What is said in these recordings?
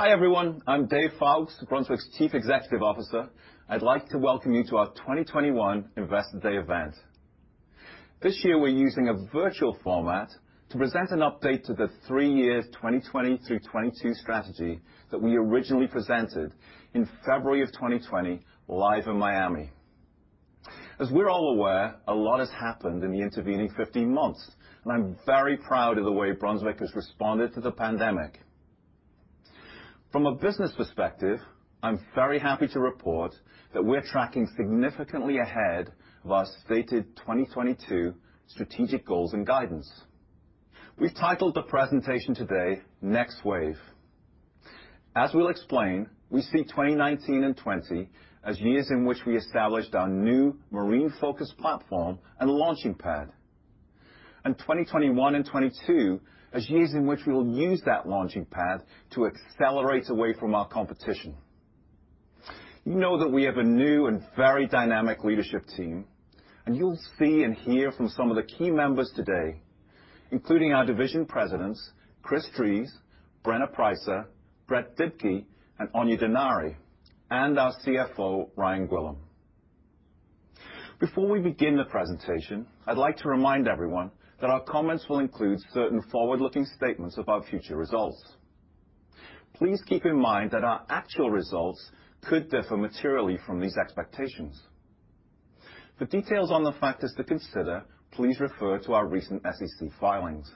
Hi everyone, I'm Dave Foulkes, Brunswick's Chief Executive Officer. I'd like to welcome you to our 2021 Investor Day event. This year we're using a virtual format to present an update to the three-year 2020 through 2022 strategy that we originally presented in February of 2020, live in Miami. As we're all aware, a lot has happened in the intervening 15 months, and I'm very proud of the way Brunswick has responded to the pandemic. From a business perspective, I'm very happy to report that we're tracking significantly ahead of our stated 2022 strategic goals and guidance. We've titled the presentation today "Next Wave." As we'll explain, we see 2019 and 2020 as years in which we established our new marine-focused platform and launching pad, and 2021 and 2022 as years in which we will use that launching pad to accelerate away from our competition. You know that we have a new and very dynamic leadership team, and you'll see and hear from some of the key members today, including our division presidents, Chris Drees, Brenna Preisser, Brett Dibkey, and Aine Denari, and our CFO, Ryan Gwillim. Before we begin the presentation, I'd like to remind everyone that our comments will include certain forward-looking statements about future results. Please keep in mind that our actual results could differ materially from these expectations. For details on the factors to consider, please refer to our recent SEC filings.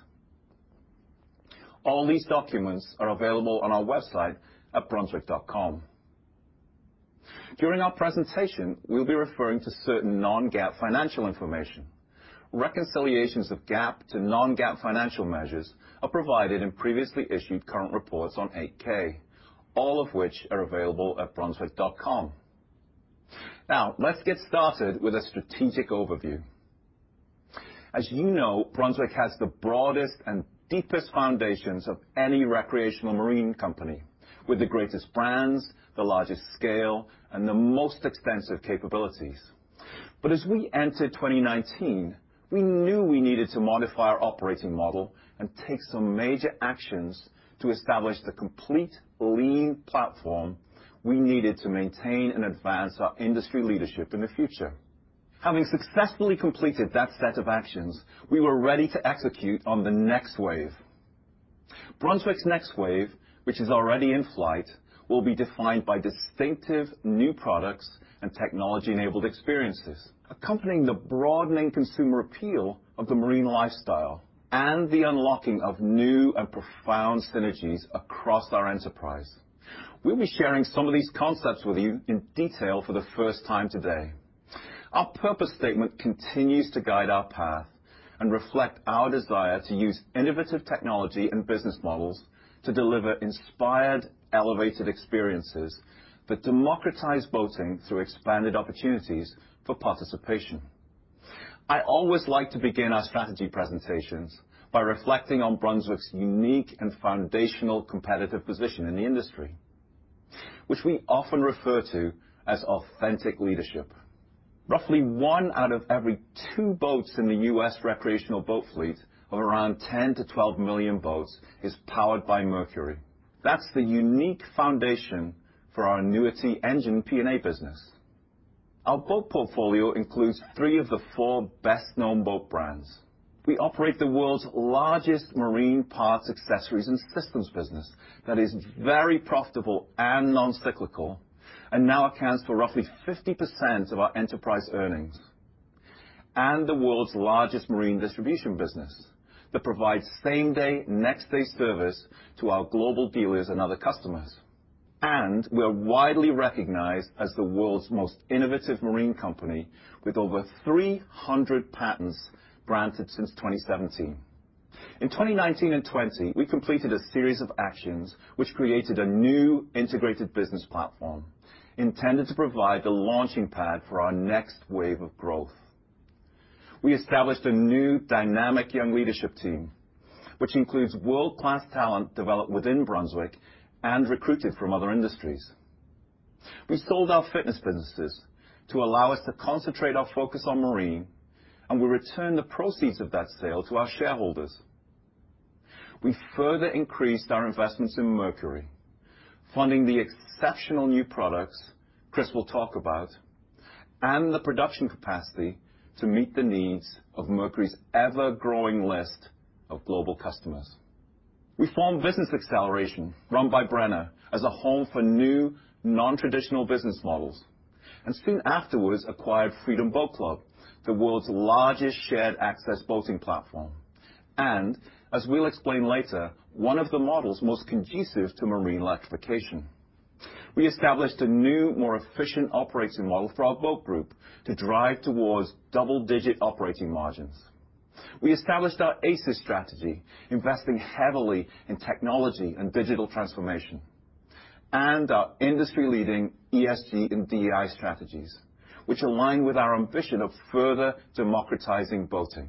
All these documents are available on our website at brunswick.com. During our presentation, we'll be referring to certain non-GAAP financial information. Reconciliations of GAAP to non-GAAP financial measures are provided in previously issued current reports on 8-K, all of which are available at brunswick.com. Now, let's get started with a strategic overview. As you know, Brunswick has the broadest and deepest foundations of any recreational marine company, with the greatest brands, the largest scale, and the most extensive capabilities. But as we entered 2019, we knew we needed to modify our operating model and take some major actions to establish the complete lean platform we needed to maintain and advance our industry leadership in the future. Having successfully completed that set of actions, we were ready to execute on the next wave. Brunswick's next wave, which is already in flight, will be defined by distinctive new products and technology-enabled experiences, accompanying the broadening consumer appeal of the marine lifestyle and the unlocking of new and profound synergies across our enterprise. We'll be sharing some of these concepts with you in detail for the first time today. Our purpose statement continues to guide our path and reflect our desire to use innovative technology and business models to deliver inspired, elevated experiences that democratize boating through expanded opportunities for participation. I always like to begin our strategy presentations by reflecting on Brunswick's unique and foundational competitive position in the industry, which we often refer to as authentic leadership. Roughly one out of every two boats in the U.S. recreational boat fleet of around 10-12 million boats is powered by Mercury. That's the unique foundation for our annuity engine P&A business. Our boat portfolio includes three of the four best-known boat brands. We operate the world's largest marine parts, accessories, and systems business that is very profitable and non-cyclical and now accounts for roughly 50% of our enterprise earnings, and the world's largest marine distribution business that provides same-day, next-day service to our global dealers and other customers, and we're widely recognized as the world's most innovative marine company with over 300 patents granted since 2017. In 2019 and 2020, we completed a series of actions which created a new integrated business platform intended to provide the launching pad for our next wave of growth. We established a new dynamic young leadership team, which includes world-class talent developed within Brunswick and recruited from other industries. We sold our fitness businesses to allow us to concentrate our focus on marine, and we returned the proceeds of that sale to our shareholders. We further increased our investments in Mercury, funding the exceptional new products Chris will talk about and the production capacity to meet the needs of Mercury's ever-growing list of global customers. We formed Business Acceleration, run by Brenna, as a home for new non-traditional business models, and soon afterwards acquired Freedom Boat Club, the world's largest shared access boating platform, and, as we'll explain later, one of the models most conducive to marine electrification. We established a new, more efficient operating model for our boat group to drive towards double-digit operating margins. We established our ACES strategy, investing heavily in technology and digital transformation, and our industry-leading ESG and DEI strategies, which align with our ambition of further democratizing boating.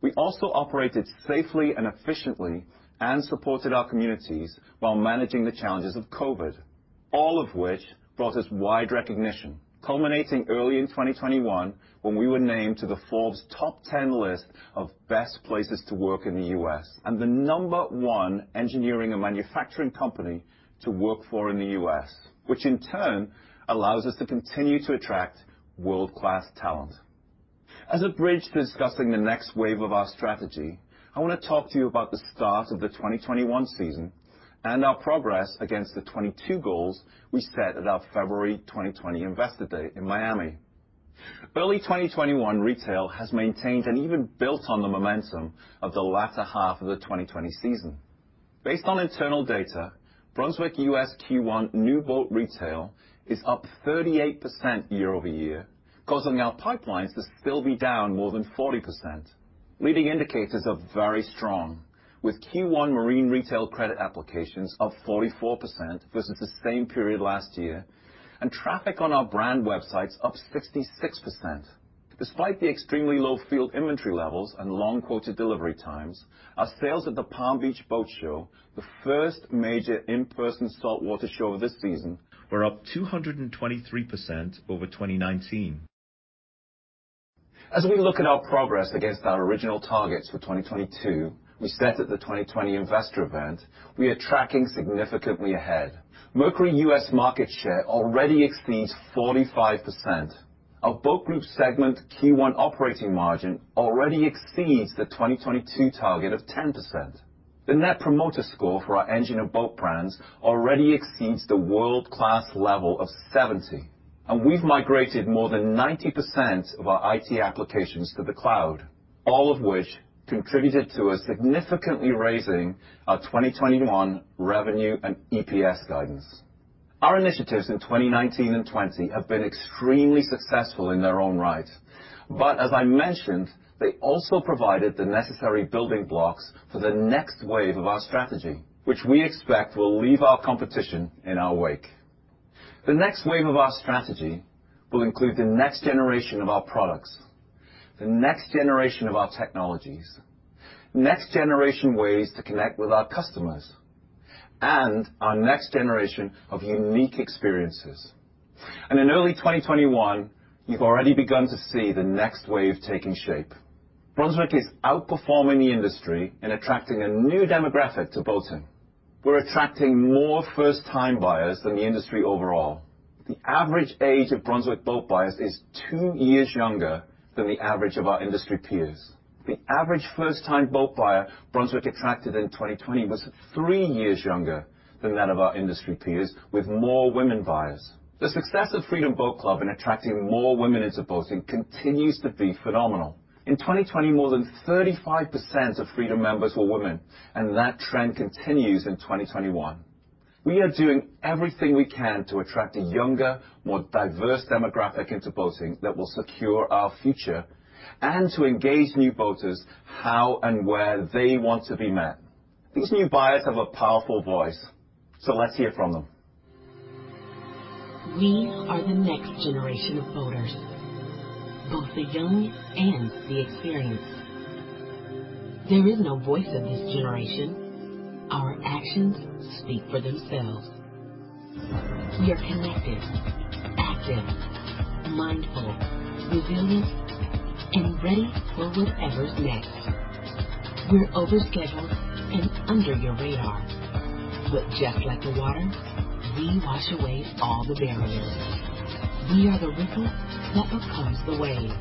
We also operated safely and efficiently and supported our communities while managing the challenges of COVID, all of which brought us wide recognition, culminating early in 2021 when we were named to the Forbes Top 10 list of best places to work in the U.S. and the number one engineering and manufacturing company to work for in the U.S., which in turn allows us to continue to attract world-class talent. As a bridge to discussing the next wave of our strategy, I want to talk to you about the start of the 2021 season and our progress against the 22 goals we set at our February 2020 Investor Day in Miami. Early 2021 retail has maintained and even built on the momentum of the latter half of the 2020 season. Based on internal data, Brunswick U.S. Q1 new boat retail is up 38% year-over-year, causing our pipelines to still be down more than 40%. Leading indicators are very strong, with Q1 marine retail credit applications up 44% versus the same period last year, and traffic on our brand websites up 66%. Despite the extremely low field inventory levels and long quota delivery times, our sales at the Palm Beach Boat Show, the first major in-person saltwater show of this season, were up 223% over 2019. As we look at our progress against our original targets for 2022, we set at the 2020 Investor Event, we are tracking significantly ahead. Mercury U.S. market share already exceeds 45%. Our boat group segment Q1 operating margin already exceeds the 2022 target of 10%. The Net Promoter Score for our engine and boat brands already exceeds the world-class level of 70, and we've migrated more than 90% of our IT applications to the cloud, all of which contributed to us significantly raising our 2021 revenue and EPS guidance. Our initiatives in 2019 and 2020 have been extremely successful in their own right, but as I mentioned, they also provided the necessary building blocks for the next wave of our strategy, which we expect will leave our competition in our wake. The next wave of our strategy will include the next generation of our products, the next generation of our technologies, next generation ways to connect with our customers, and our next generation of unique experiences. In early 2021, you've already begun to see the next wave taking shape. Brunswick is outperforming the industry in attracting a new demographic to boating. We're attracting more first-time buyers than the industry overall. The average age of Brunswick boat buyers is two years younger than the average of our industry peers. The average first-time boat buyer Brunswick attracted in 2020 was three years younger than that of our industry peers, with more women buyers. The success of Freedom Boat Club in attracting more women into boating continues to be phenomenal. In 2020, more than 35% of Freedom members were women, and that trend continues in 2021. We are doing everything we can to attract a younger, more diverse demographic into boating that will secure our future and to engage new boaters how and where they want to be met. These new buyers have a powerful voice, so let's hear from them. We are the next generation of boaters, both the young and the experienced. There is no voice of this generation. Our actions speak for themselves. We are connected, active, mindful, resilient, and ready for whatever's next. We're overscheduled and under your radar, but just like the water, we wash away all the barriers. We are the ripple that becomes the wave,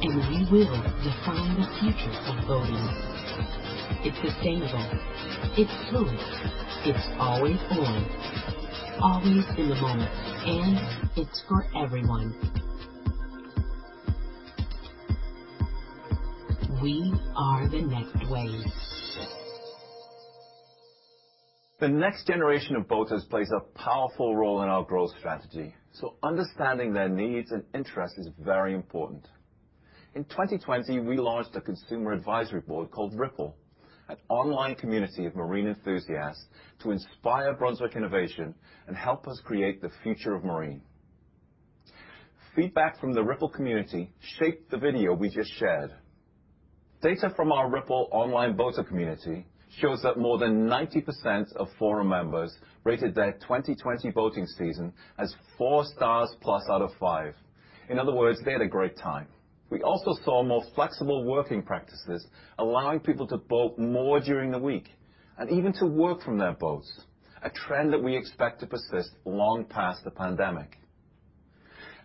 and we will define the future of boating. It's sustainable. It's fluid. It's always on, always in the moment, and it's for everyone. We are the next wave. The next generation of boaters plays a powerful role in our growth strategy so understanding their needs and interests is very important. In 2020, we launched a consumer advisory board called Ripple, an online community of marine enthusiasts to inspire Brunswick innovation and help us create the future of marine. Feedback from the Ripple community shaped the video we just shared. Data from our Ripple online boater community shows that more than 90% of forum members rated their 2020 boating season as four stars plus out of five. In other words, they had a great time. We also saw more flexible working practices, allowing people to boat more during the week and even to work from their boats, a trend that we expect to persist long past the pandemic.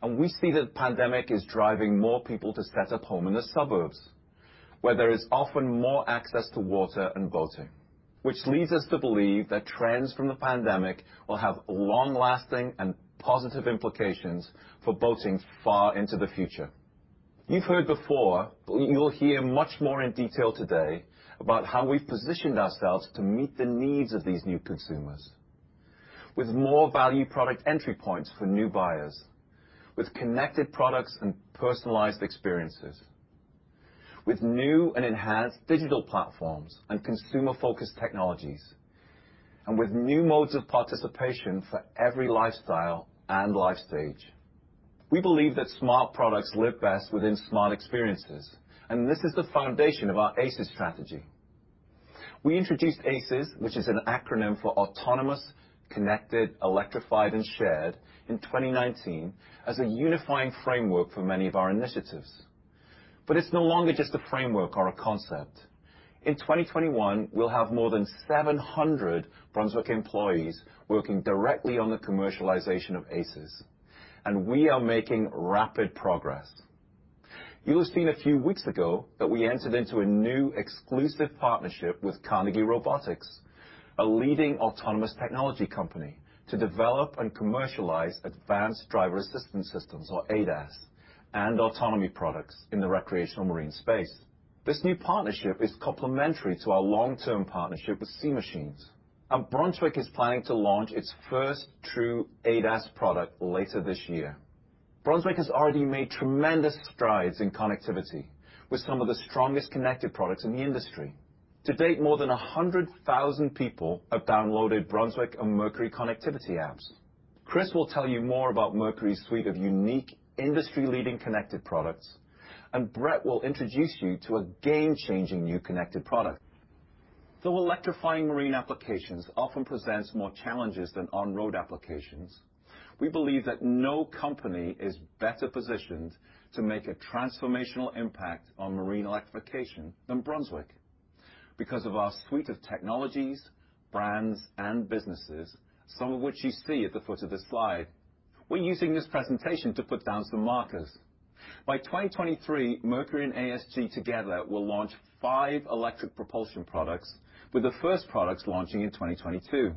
We see that the pandemic is driving more people to set up home in the suburbs, where there is often more access to water and boating, which leads us to believe that trends from the pandemic will have long-lasting and positive implications for boating far into the future. You've heard before, but you'll hear much more in detail today about how we've positioned ourselves to meet the needs of these new consumers, with more value product entry points for new buyers, with connected products and personalized experiences, with new and enhanced digital platforms and consumer-focused technologies, and with new modes of participation for every lifestyle and life stage. We believe that smart products live best within smart experiences, and this is the foundation of our ACES strategy. We introduced ACES, which is an acronym for Autonomous, Connected, Electrified, and Shared, in 2019 as a unifying framework for many of our initiatives. But it's no longer just a framework or a concept. In 2021, we'll have more than 700 Brunswick employees working directly on the commercialization of ACES, and we are making rapid progress. You will have seen a few weeks ago that we entered into a new exclusive partnership with Carnegie Robotics, a leading autonomous technology company, to develop and commercialize advanced driver assistance systems, or ADAS, and autonomy products in the recreational marine space. This new partnership is complementary to our long-term partnership with Sea Machines, and Brunswick is planning to launch its first true ADAS product later this year. Brunswick has already made tremendous strides in connectivity with some of the strongest connected products in the industry. To date, more than 100,000 people have downloaded Brunswick and Mercury connectivity apps. Chris will tell you more about Mercury's suite of unique industry-leading connected products, and Brett will introduce you to a game-changing new connected product. Though electrifying marine applications often present more challenges than on-road applications, we believe that no company is better positioned to make a transformational impact on marine electrification than Brunswick because of our suite of technologies, brands, and businesses, some of which you see at the foot of this slide. We're using this presentation to put down some markers. By 2023, Mercury and ASG together will launch five electric propulsion products, with the first products launching in 2022.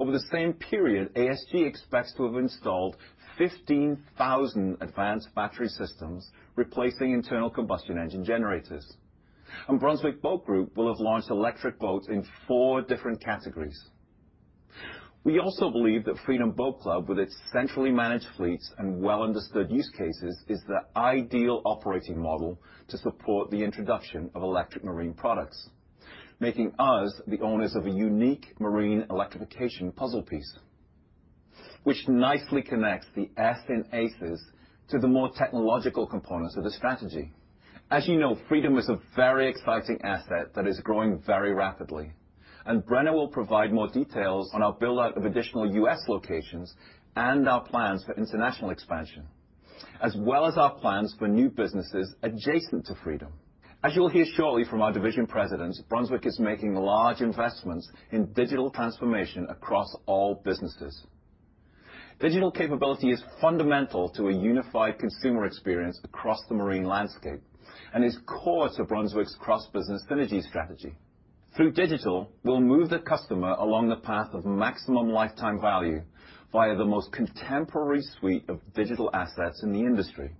Over the same period, ASG expects to have installed 15,000 advanced battery systems replacing internal combustion engine generators, and Brunswick Boat Group will have launched electric boats in four different categories. We also believe that Freedom Boat Club, with its centrally managed fleets and well-understood use cases, is the ideal operating model to support the introduction of electric marine products, making us the owners of a unique marine electrification puzzle piece, which nicely connects the S in ACES to the more technological components of the strategy. As you know, Freedom is a very exciting asset that is growing very rapidly, and Brenna will provide more details on our build-out of additional U.S. locations and our plans for international expansion, as well as our plans for new businesses adjacent to Freedom. As you'll hear shortly from our division presidents, Brunswick is making large investments in digital transformation across all businesses. Digital capability is fundamental to a unified consumer experience across the marine landscape and is core to Brunswick's cross-business synergy strategy. Through digital, we'll move the customer along the path of maximum lifetime value via the most contemporary suite of digital assets in the industry.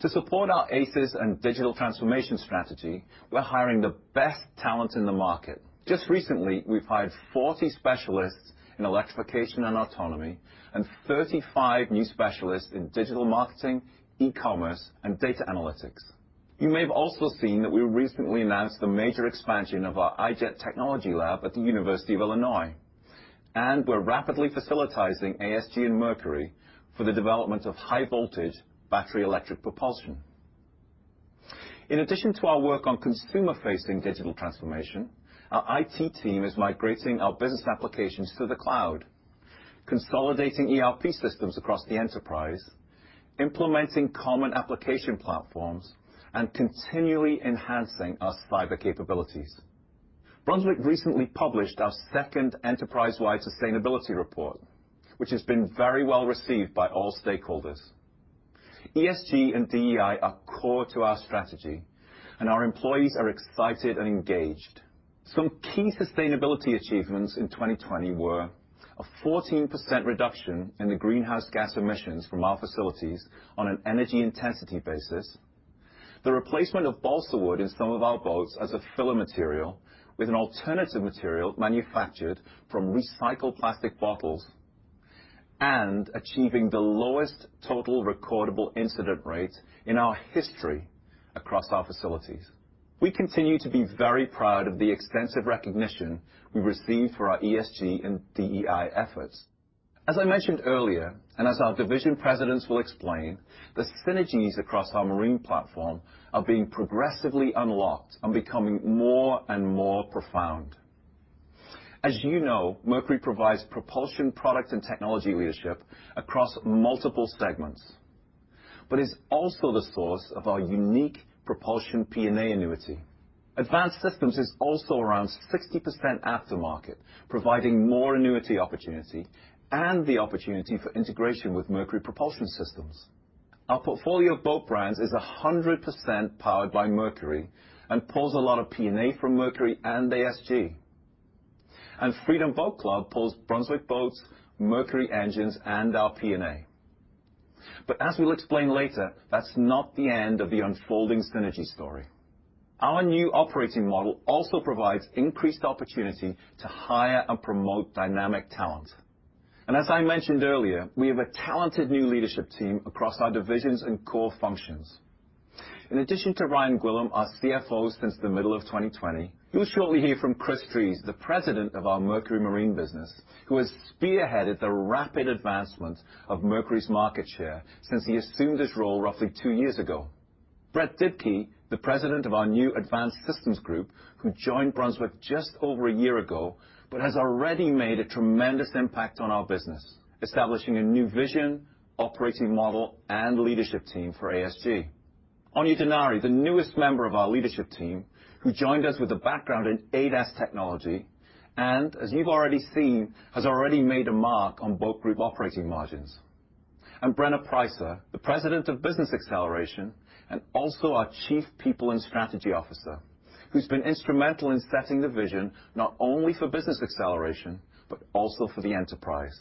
To support our ACES and digital transformation strategy, we're hiring the best talent in the market. Just recently, we've hired 40 specialists in electrification and autonomy and 35 new specialists in digital marketing, e-commerce, and data analytics. You may have also seen that we recently announced the major expansion of our i-Jet Lab at the University of Illinois, and we're rapidly facilitating ASG and Mercury for the development of high-voltage battery electric propulsion. In addition to our work on consumer-facing digital transformation, our IT team is migrating our business applications to the cloud, consolidating ERP systems across the enterprise, implementing common application platforms, and continually enhancing our cyber capabilities. Brunswick recently published our second enterprise-wide sustainability report, which has been very well received by all stakeholders. ESG and DEI are core to our strategy, and our employees are excited and engaged. Some key sustainability achievements in 2020 were a 14% reduction in the greenhouse gas emissions from our facilities on an energy intensity basis, the replacement of balsa wood in some of our boats as a filler material with an alternative material manufactured from recycled plastic bottles, and achieving the lowest total recordable incident rate in our history across our facilities. We continue to be very proud of the extensive recognition we received for our ESG and DEI efforts. As I mentioned earlier, and as our division presidents will explain, the synergies across our marine platform are being progressively unlocked and becoming more and more profound. As you know, Mercury provides propulsion product and technology leadership across multiple segments, but is also the source of our unique propulsion P&A annuity. Advanced Systems is also around 60% aftermarket, providing more annuity opportunity and the opportunity for integration with Mercury propulsion systems. Our portfolio of boat brands is 100% powered by Mercury and pulls a lot of P&A from Mercury and ASG, and Freedom Boat Club pulls Brunswick boats, Mercury engines, and our P&A. But as we'll explain later, that's not the end of the unfolding synergy story. Our new operating model also provides increased opportunity to hire and promote dynamic talent. And as I mentioned earlier, we have a talented new leadership team across our divisions and core functions. In addition to Ryan Gwillim, our CFO since the middle of 2020, you'll shortly hear from Chris Drees, the president of our Mercury Marine business, who has spearheaded the rapid advancement of Mercury's market share since he assumed his role roughly two years ago. Brett Dibkey, the president of our new Advanced Systems Group, who joined Brunswick just over a year ago, but has already made a tremendous impact on our business, establishing a new vision, operating model, and leadership team for ASG. Aine Denari, the newest member of our leadership team, who joined us with a background in ADAS technology and, as you've already seen, has already made a mark on Boat Group operating margins. And Brenna Preisser, the President of Business Acceleration and also our Chief People and Strategy Officer, who's been instrumental in setting the vision not only for Business Acceleration, but also for the enterprise,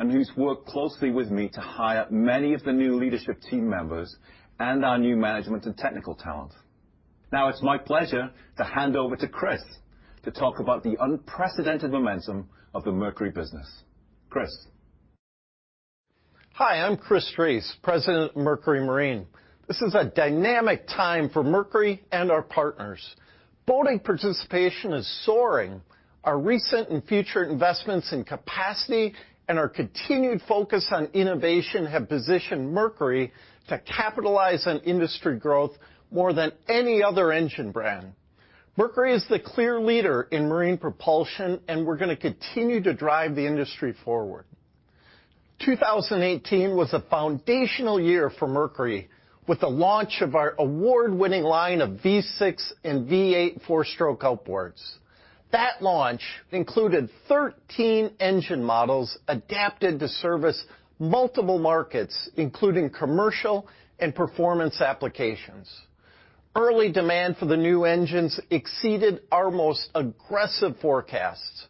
and who's worked closely with me to hire many of the new leadership team members and our new management and technical talent. Now it's my pleasure to hand over to Chris to talk about the unprecedented momentum of the Mercury business. Chris. Hi, I'm Chris Drees, President of Mercury Marine. This is a dynamic time for Mercury and our partners. Boating participation is soaring. Our recent and future investments in capacity and our continued focus on innovation have positioned Mercury to capitalize on industry growth more than any other engine brand. Mercury is the clear leader in marine propulsion, and we're going to continue to drive the industry forward. 2018 was a foundational year for Mercury with the launch of our award-winning line of V6 and V8 four-stroke outboards. That launch included 13 engine models adapted to service multiple markets, including commercial and performance applications. Early demand for the new engines exceeded our most aggressive forecasts.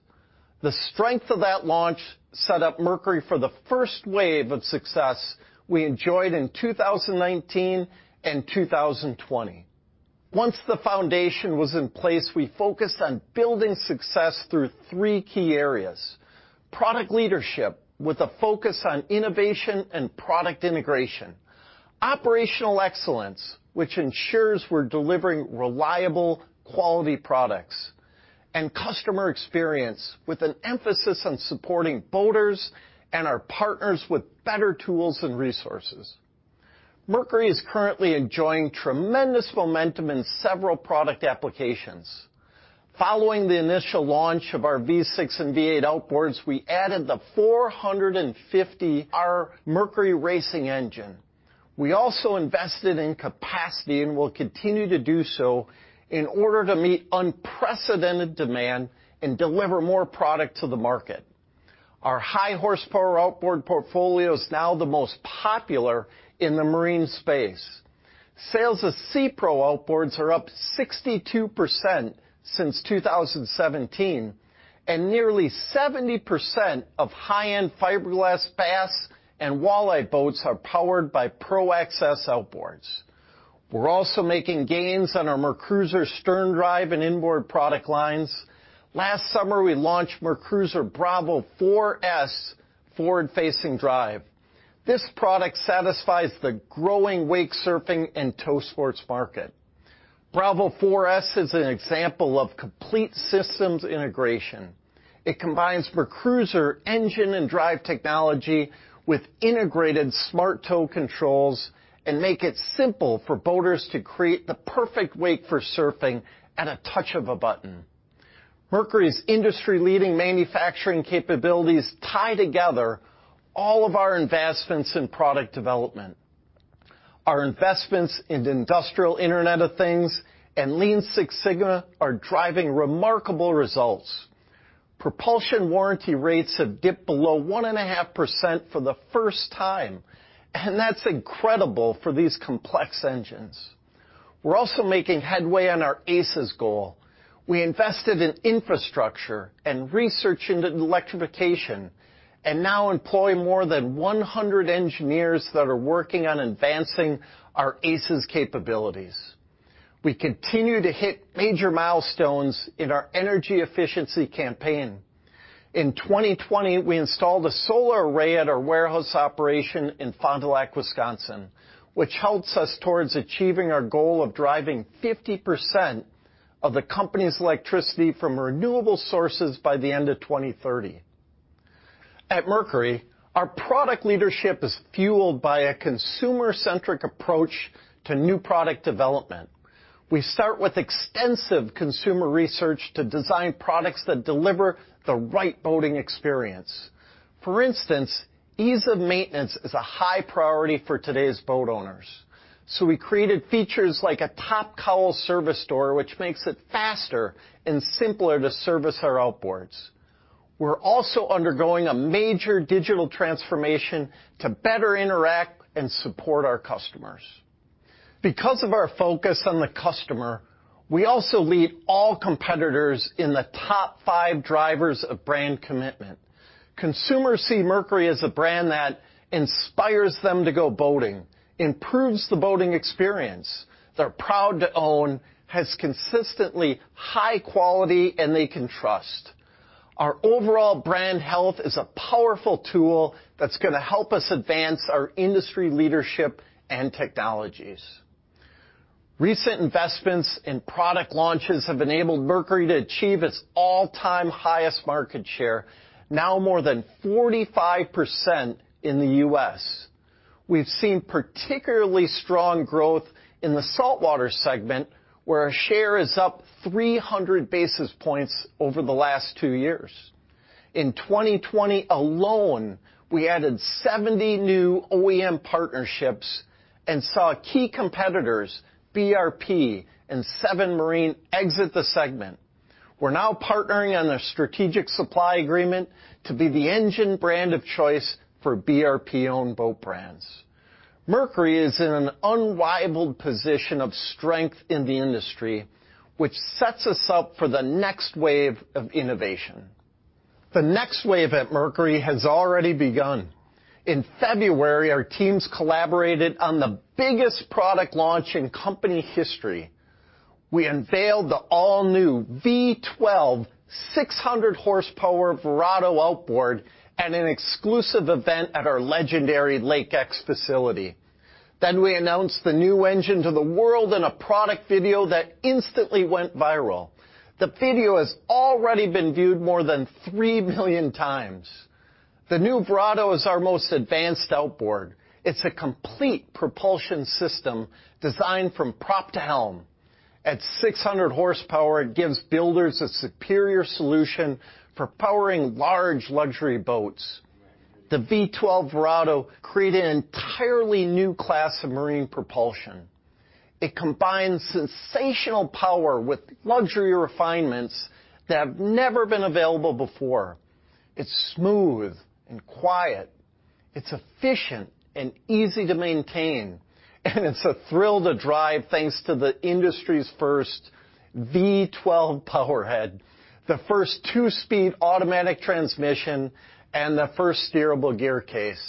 The strength of that launch set up Mercury for the first wave of success we enjoyed in 2019 and 2020. Once the foundation was in place, we focused on building success through three key areas: product leadership with a focus on innovation and product integration, operational excellence, which ensures we're delivering reliable, quality products, and customer experience with an emphasis on supporting boaters and our partners with better tools and resources. Mercury is currently enjoying tremendous momentum in several product applications. Following the initial launch of our V6 and V8 outboards, we added the 450R Mercury Racing engine. We also invested in capacity and will continue to do so in order to meet unprecedented demand and deliver more product to the market. Our high-horsepower outboard portfolio is now the most popular in the marine space. Sales of SeaPro outboards are up 62% since 2017, and nearly 70% of high-end fiberglass bass and walleye boats are powered by Pro XS outboards. We're also making gains on our MerCruiser Stern Drive and inboard product lines. Last summer, we launched MerCruiser Bravo Four S forward-facing drive. This product satisfies the growing wakesurfing and tow sports market. Bravo Four S is an example of complete systems integration. It combines MerCruiser engine and drive technology with integrated Smart Tow controls and makes it simple for boaters to create the perfect wake for surfing at a touch of a button. Mercury's industry-leading manufacturing capabilities tie together all of our investments in product development. Our investments in the industrial Internet of Things and Lean Six Sigma are driving remarkable results. Propulsion warranty rates have dipped below 1.5% for the first time, and that's incredible for these complex engines. We're also making headway on our ACES goal. We invested in infrastructure and research into electrification and now employ more than 100 engineers that are working on advancing our ACES capabilities. We continue to hit major milestones in our energy efficiency campaign. In 2020, we installed a solar array at our warehouse operation in Fond du Lac, Wisconsin, which helps us towards achieving our goal of driving 50% of the company's electricity from renewable sources by the end of 2030. At Mercury, our product leadership is fueled by a consumer-centric approach to new product development. We start with extensive consumer research to design products that deliver the right boating experience. For instance, ease of maintenance is a high priority for today's boat owners. So we created features like a top cowl service door, which makes it faster and simpler to service our outboards. We're also undergoing a major digital transformation to better interact and support our customers. Because of our focus on the customer, we also lead all competitors in the top five drivers of brand commitment. Consumers see Mercury as a brand that inspires them to go boating, improves the boating experience they're proud to own, has consistently high quality, and they can trust. Our overall brand health is a powerful tool that's going to help us advance our industry leadership and technologies. Recent investments in product launches have enabled Mercury to achieve its all-time highest market share, now more than 45% in the U.S. We've seen particularly strong growth in the saltwater segment, where our share is up 300 basis points over the last two years. In 2020 alone, we added 70 new OEM partnerships and saw key competitors, BRP and Seven Marine, exit the segment. We're now partnering on a strategic supply agreement to be the engine brand of choice for BRP-owned boat brands. Mercury is in an unrivaled position of strength in the industry, which sets us up for the next wave of innovation. The next wave at Mercury has already begun. In February, our teams collaborated on the biggest product launch in company history. We unveiled the all-new V12, 600-horsepower Verado outboard at an exclusive event at our legendary Lake X facility. Then we announced the new engine to the world in a product video that instantly went viral. The video has already been viewed more than 3 million times. The new Verado is our most advanced outboard. It's a complete propulsion system designed from prop to helm. At 600 horsepower, it gives builders a superior solution for powering large luxury boats. The V12 Verado created an entirely new class of marine propulsion. It combines sensational power with luxury refinements that have never been available before. It's smooth and quiet. It's efficient and easy to maintain, and it's a thrill to drive thanks to the industry's first V12 powerhead, the first two-speed automatic transmission, and the first steerable gear case.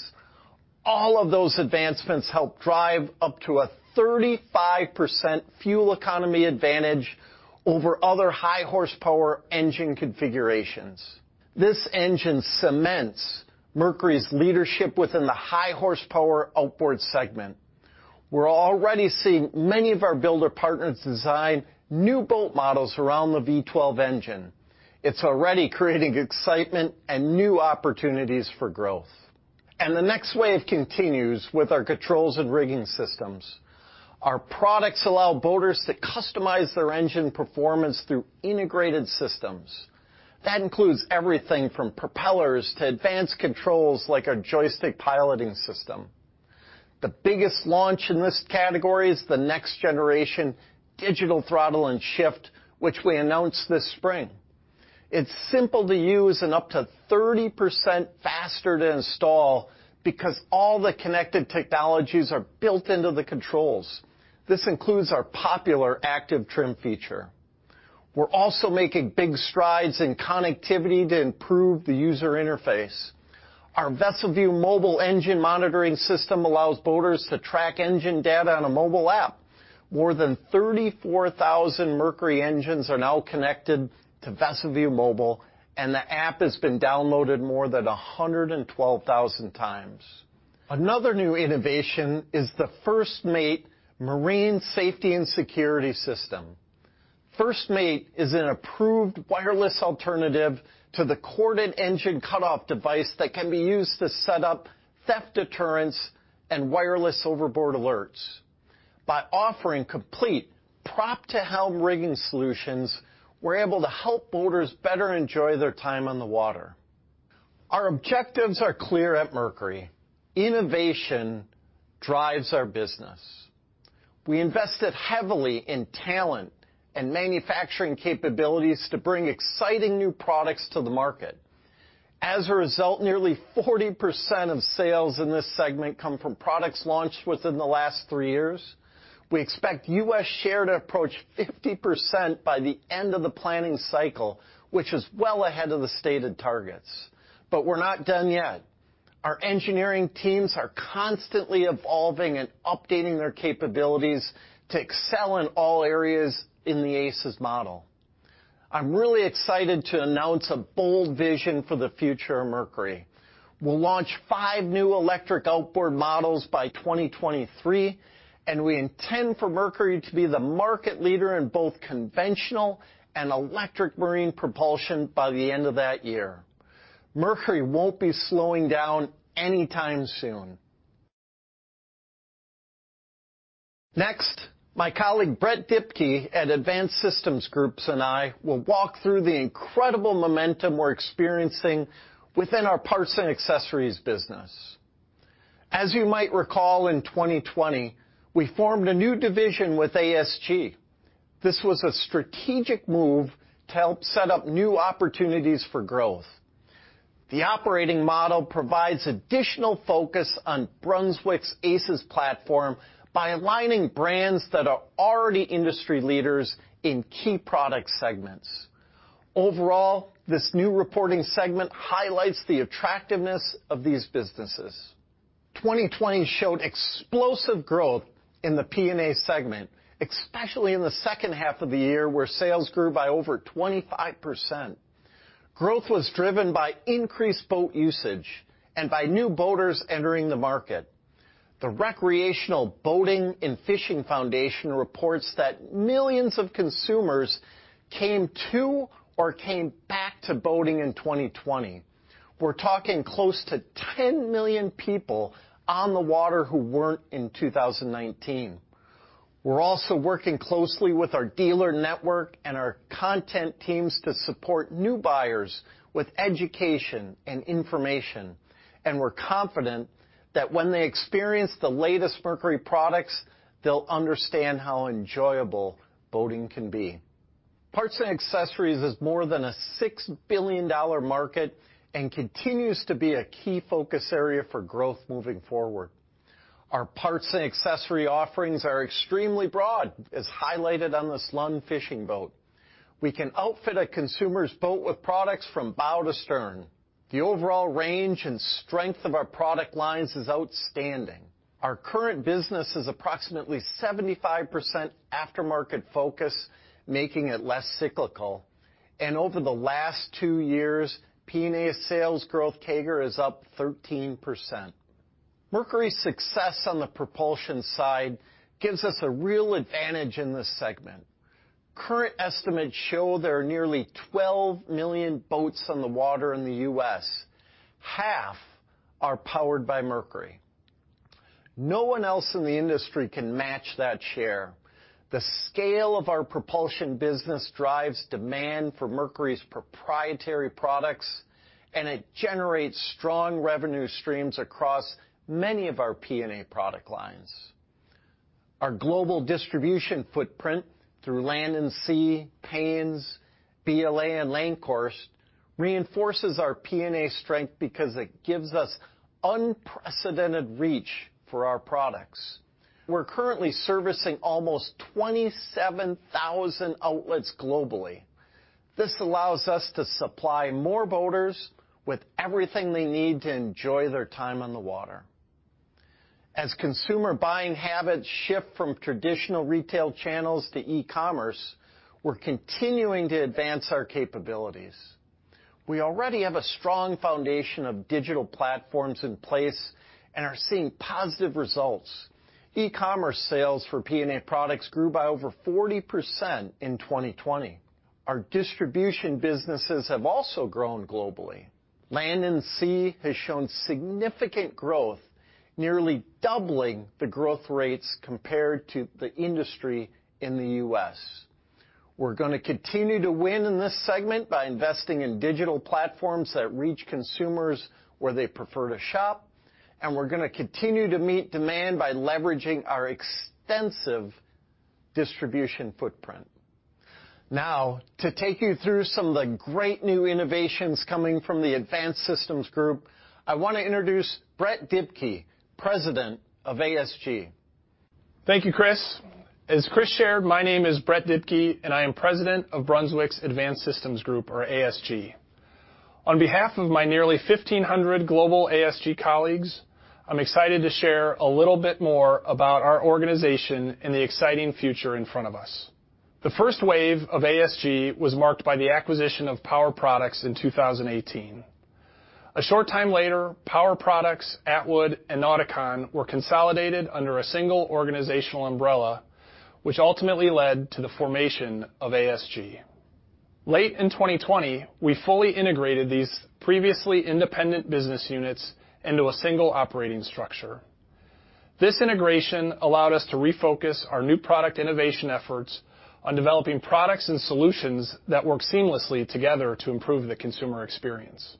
All of those advancements help drive up to a 35% fuel economy advantage over other high-horsepower engine configurations. This engine cements Mercury's leadership within the high-horsepower outboard segment. We're already seeing many of our builder partners design new boat models around the V12 engine. It's already creating excitement and new opportunities for growth. And the next wave continues with our controls and rigging systems. Our products allow boaters to customize their engine performance through integrated systems. That includes everything from propellers to advanced controls like our Joystick Piloting system. The biggest launch in this category is the next-generation Digital Throttle and Shift, which we announced this spring. It's simple to use and up to 30% faster to install because all the connected technologies are built into the controls. This includes our popular Active Trim feature. We're also making big strides in connectivity to improve the user interface. Our VesselView Mobile engine monitoring system allows boaters to track engine data on a mobile app. More than 34,000 Mercury engines are now connected to VesselView Mobile, and the app has been downloaded more than 112,000 times. Another new innovation is the FirstMate Marine Safety and Security System. FirstMate is an approved wireless alternative to the corded engine cutoff device that can be used to set up theft deterrence and wireless overboard alerts. By offering complete prop to helm rigging solutions, we're able to help boaters better enjoy their time on the water. Our objectives are clear at Mercury. Innovation drives our business. We invested heavily in talent and manufacturing capabilities to bring exciting new products to the market. As a result, nearly 40% of sales in this segment come from products launched within the last three years. We expect U.S. share to approach 50% by the end of the planning cycle, which is well ahead of the stated targets. But we're not done yet. Our engineering teams are constantly evolving and updating their capabilities to excel in all areas in the ACES model. I'm really excited to announce a bold vision for the future of Mercury. We'll launch five new electric outboard models by 2023, and we intend for Mercury to be the market leader in both conventional and electric marine propulsion by the end of that year. Mercury won't be slowing down anytime soon. Next, my colleague Brett Dibkey at Advanced Systems Group and I will walk through the incredible momentum we're experiencing within our parts and accessories business. As you might recall, in 2020, we formed a new division with ASG. This was a strategic move to help set up new opportunities for growth. The operating model provides additional focus on Brunswick's ACES platform by aligning brands that are already industry leaders in key product segments. Overall, this new reporting segment highlights the attractiveness of these businesses. 2020 showed explosive growth in the P&A segment, especially in the second half of the year, where sales grew by over 25%. Growth was driven by increased boat usage and by new boaters entering the market. The Recreational Boating and Fishing Foundation reports that millions of consumers came to or came back to boating in 2020. We're talking close to 10 million people on the water who weren't in 2019. We're also working closely with our dealer network and our content teams to support new buyers with education and information. And we're confident that when they experience the latest Mercury products, they'll understand how enjoyable boating can be. Parts and accessories is more than a $6 billion market and continues to be a key focus area for growth moving forward. Our parts and accessory offerings are extremely broad, as highlighted on this Lund fishing boat. We can outfit a consumer's boat with products from bow to stern. The overall range and strength of our product lines is outstanding. Our current business is approximately 75% aftermarket focus, making it less cyclical. And over the last two years, P&A sales growth CAGR is up 13%. Mercury's success on the propulsion side gives us a real advantage in this segment. Current estimates show there are nearly 12 million boats on the water in the U.S. Half are powered by Mercury. No one else in the industry can match that share. The scale of our propulsion business drives demand for Mercury's proprietary products, and it generates strong revenue streams across many of our P&A product lines. Our global distribution footprint through Land 'N' Sea, Paynes, BLA, and Lankhorst reinforces our P&A strength because it gives us unprecedented reach for our products. We're currently servicing almost 27,000 outlets globally. This allows us to supply more boaters with everything they need to enjoy their time on the water. As consumer buying habits shift from traditional retail channels to e-commerce, we're continuing to advance our capabilities. We already have a strong foundation of digital platforms in place and are seeing positive results. E-commerce sales for P&A products grew by over 40% in 2020. Our distribution businesses have also grown globally. Land 'N' Sea has shown significant growth, nearly doubling the growth rates compared to the industry in the U.S. We're going to continue to win in this segment by investing in digital platforms that reach consumers where they prefer to shop. And we're going to continue to meet demand by leveraging our extensive distribution footprint. Now, to take you through some of the great new innovations coming from the Advanced Systems Group, I want to introduce Brett Dibkey, President of ASG. Thank you, Chris. As Chris shared, my name is Brett Dibkey, and I am President of Brunswick's Advanced Systems Group, or ASG. On behalf of my nearly 1,500 global ASG colleagues, I'm excited to share a little bit more about our organization and the exciting future in front of us. The first wave of ASG was marked by the acquisition of Power Products in 2018. A short time later, Power Products, Attwood, and Nautic-On were consolidated under a single organizational umbrella, which ultimately led to the formation of ASG. Late in 2020, we fully integrated these previously independent business units into a single operating structure. This integration allowed us to refocus our new product innovation efforts on developing products and solutions that work seamlessly together to improve the consumer experience.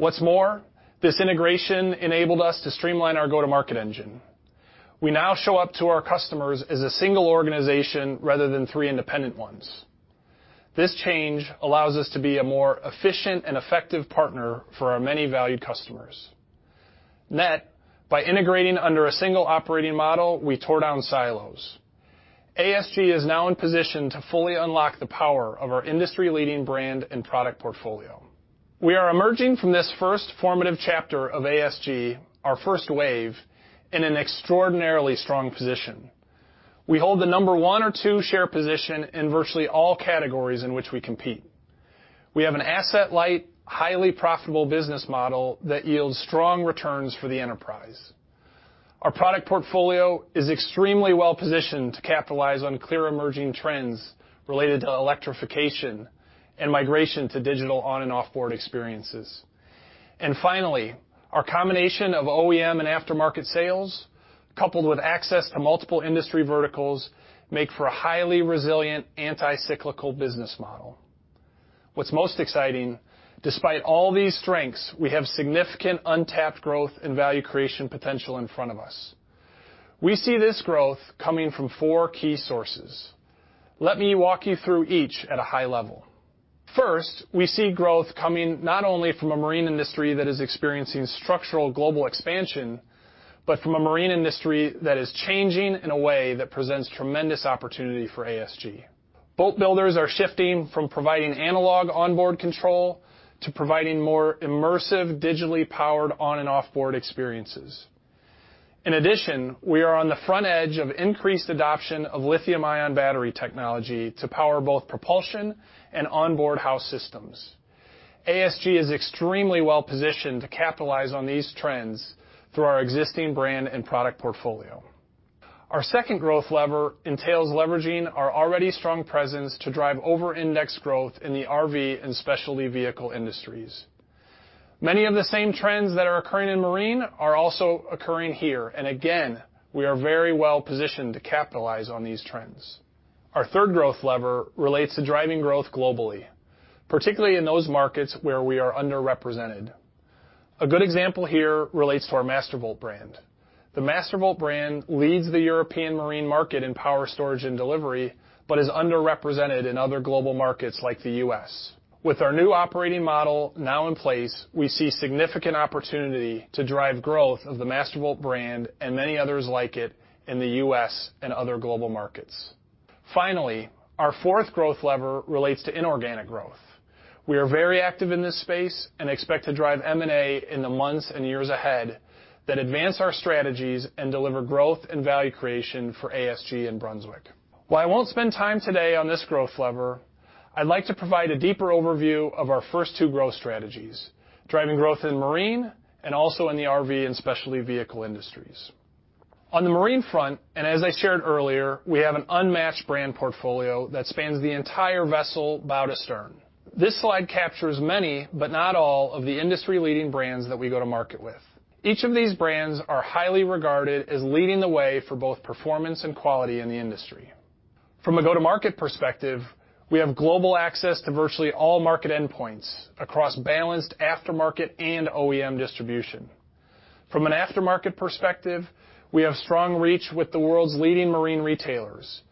What's more, this integration enabled us to streamline our go-to-market engine. We now show up to our customers as a single organization rather than three independent ones. This change allows us to be a more efficient and effective partner for our many valued customers. Net, by integrating under a single operating model, we tore down silos. ASG is now in position to fully unlock the power of our industry-leading brand and product portfolio. We are emerging from this first formative chapter of ASG, our first wave, in an extraordinarily strong position. We hold the number one or two share position in virtually all categories in which we compete. We have an asset-light, highly profitable business model that yields strong returns for the enterprise. Our product portfolio is extremely well-positioned to capitalize on clear emerging trends related to electrification and migration to digital on- and offboard experiences. And finally, our combination of OEM and aftermarket sales, coupled with access to multiple industry verticals, makes for a highly resilient, anti-cyclical business model. What's most exciting, despite all these strengths, we have significant untapped growth and value creation potential in front of us. We see this growth coming from four key sources. Let me walk you through each at a high level. First, we see growth coming not only from a marine industry that is experiencing structural global expansion, but from a marine industry that is changing in a way that presents tremendous opportunity for ASG. Boat builders are shifting from providing analog onboard control to providing more immersive, digitally powered on- and offboard experiences. In addition, we are on the front edge of increased adoption of lithium-ion battery technology to power both propulsion and onboard house systems. ASG is extremely well-positioned to capitalize on these trends through our existing brand and product portfolio. Our second growth lever entails leveraging our already strong presence to drive over-index growth in the RV and specialty vehicle industries. Many of the same trends that are occurring in marine are also occurring here. And again, we are very well-positioned to capitalize on these trends. Our third growth lever relates to driving growth globally, particularly in those markets where we are underrepresented. A good example here relates to our Mastervolt brand. The Mastervolt brand leads the European marine market in power storage and delivery, but is underrepresented in other global markets like the U.S. With our new operating model now in place, we see significant opportunity to drive growth of the Mastervolt brand and many others like it in the U.S. and other global markets. Finally, our fourth growth lever relates to inorganic growth. We are very active in this space and expect to drive M&A in the months and years ahead that advance our strategies and deliver growth and value creation for ASG and Brunswick. While I won't spend time today on this growth lever, I'd like to provide a deeper overview of our first two growth strategies, driving growth in marine and also in the RV and specialty vehicle industries. On the marine front, and as I shared earlier, we have an unmatched brand portfolio that spans the entire vessel bow to stern. This slide captures many, but not all, of the industry-leading brands that we go to market with. Each of these brands is highly regarded as leading the way for both performance and quality in the industry. From a go-to-market perspective, we have global access to virtually all market endpoints across balanced aftermarket and OEM distribution. From an aftermarket perspective, we have strong reach with the world's leading marine retailers.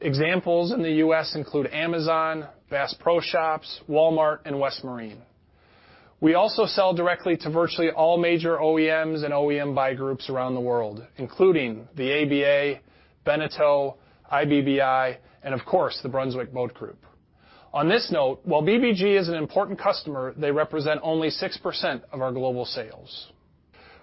Examples in the U.S. include Amazon, Bass Pro Shops, Walmart, and West Marine. We also sell directly to virtually all major OEMs and OEM buy groups around the world, including the ABA, Beneteau, IBBI, and of course, the Brunswick Boat Group. On this note, while BBG is an important customer, they represent only 6% of our global sales.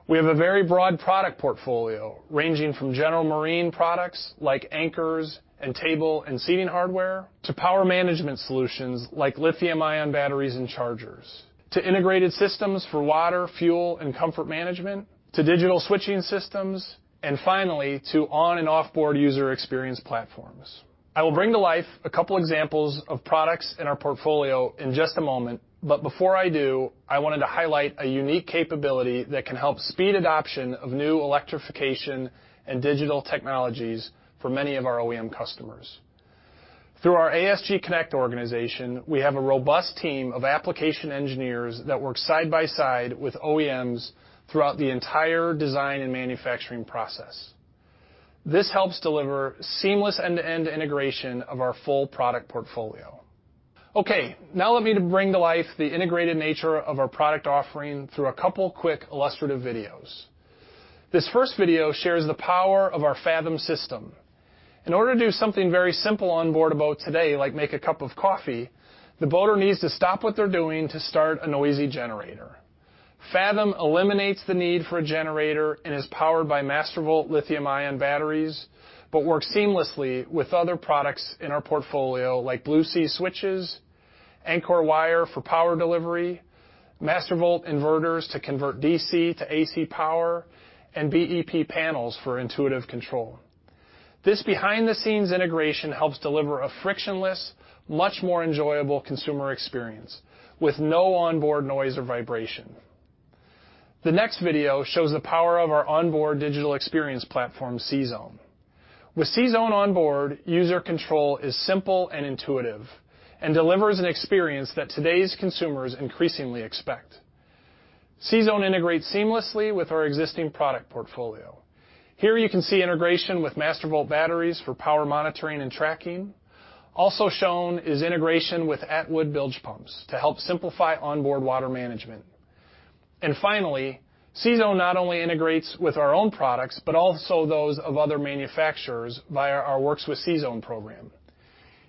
We have a very broad product portfolio ranging from general marine products like anchors and table and seating hardware to power management solutions like lithium-ion batteries and chargers, to integrated systems for water, fuel, and comfort management, to digital switching systems, and finally, to on- and offboard user experience platforms. I will bring to life a couple of examples of products in our portfolio in just a moment. But before I do, I wanted to highlight a unique capability that can help speed adoption of new electrification and digital technologies for many of our OEM customers. Through our ASG Connect organization, we have a robust team of application engineers that work side by side with OEMs throughout the entire design and manufacturing process. This helps deliver seamless end-to-end integration of our full product portfolio. Okay, now let me bring to life the integrated nature of our product offering through a couple of quick illustrative videos. This first video shares the power of our Fathom system. In order to do something very simple onboard a boat today, like make a cup of coffee, the boater needs to stop what they're doing to start a noisy generator. Fathom eliminates the need for a generator and is powered by Mastervolt lithium-ion batteries, but works seamlessly with other products in our portfolio like Blue Sea switches, Ancor wire for power delivery, Mastervolt inverters to convert DC to AC power, and BEP panels for intuitive control. This behind-the-scenes integration helps deliver a frictionless, much more enjoyable consumer experience with no onboard noise or vibration. The next video shows the power of our onboard digital experience platform, CZone. With CZone onboard, user control is simple and intuitive and delivers an experience that today's consumers increasingly expect. CZone integrates seamlessly with our existing product portfolio. Here you can see integration with Mastervolt batteries for power monitoring and tracking. Also shown is integration with Attwood bilge pumps to help simplify onboard water management. And finally, CZone not only integrates with our own products, but also those of other manufacturers via our Works with CZone program.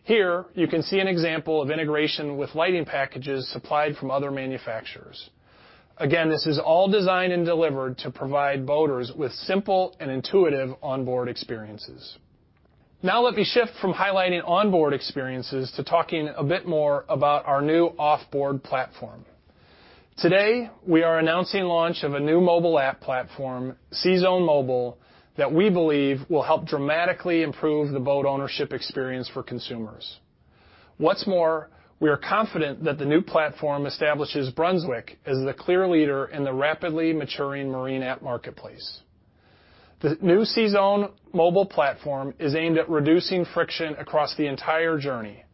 Here you can see an example of integration with lighting packages supplied from other manufacturers. Again, this is all designed and delivered to provide boaters with simple and intuitive onboard experiences. Now let me shift from highlighting onboard experiences to talking a bit more about our new offboard platform. Today, we are announcing the launch of a new mobile app platform, CZone Mobile, that we believe will help dramatically improve the boat ownership experience for consumers. What's more, we are confident that the new platform establishes Brunswick as the clear leader in the rapidly maturing marine app marketplace. The new CZone Mobile platform is aimed at reducing friction across the entire journey,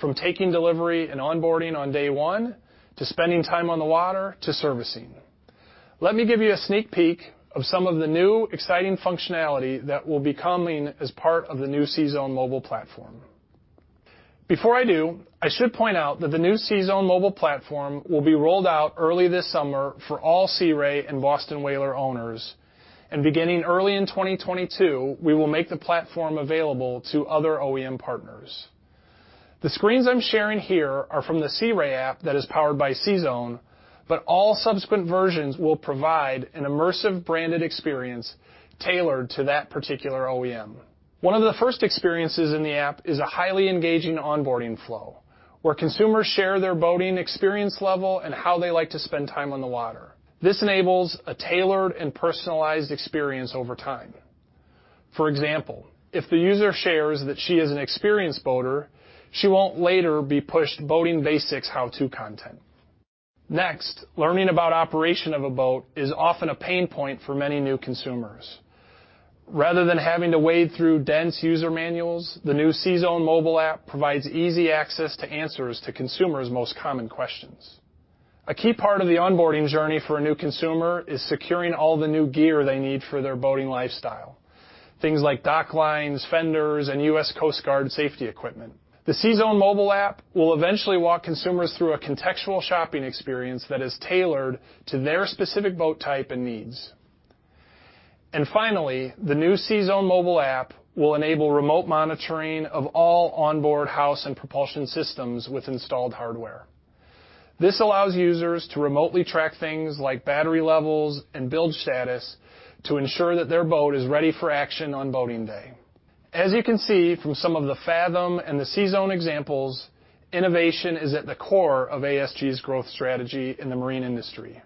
from taking delivery and onboarding on day one to spending time on the water to servicing. Let me give you a sneak peek of some of the new exciting functionality that will be coming as part of the new CZone Mobile platform. Before I do, I should point out that the new CZone Mobile platform will be rolled out early this summer for all Sea Ray and Boston Whaler owners. And beginning early in 2022, we will make the platform available to other OEM partners. The screens I'm sharing here are from the Sea Ray app that is powered by CZone, but all subsequent versions will provide an immersive branded experience tailored to that particular OEM. One of the first experiences in the app is a highly engaging onboarding flow where consumers share their boating experience level and how they like to spend time on the water. This enables a tailored and personalized experience over time. For example, if the user shares that she is an experienced boater, she won't later be pushed boating basics how-to content. Next, learning about operation of a boat is often a pain point for many new consumers. Rather than having to wade through dense user manuals, the new CZone Mobile app provides easy access to answers to consumers' most common questions. A key part of the onboarding journey for a new consumer is securing all the new gear they need for their boating lifestyle, things like dock lines, fenders, and U.S. Coast Guard safety equipment. The CZone Mobile app will eventually walk consumers through a contextual shopping experience that is tailored to their specific boat type and needs, and finally, the new CZone Mobile app will enable remote monitoring of all onboard house and propulsion systems with installed hardware. This allows users to remotely track things like battery levels and bilge status to ensure that their boat is ready for action on boating day. As you can see from some of the Fathom and the CZone examples, innovation is at the core of ASG's growth strategy in the marine industry.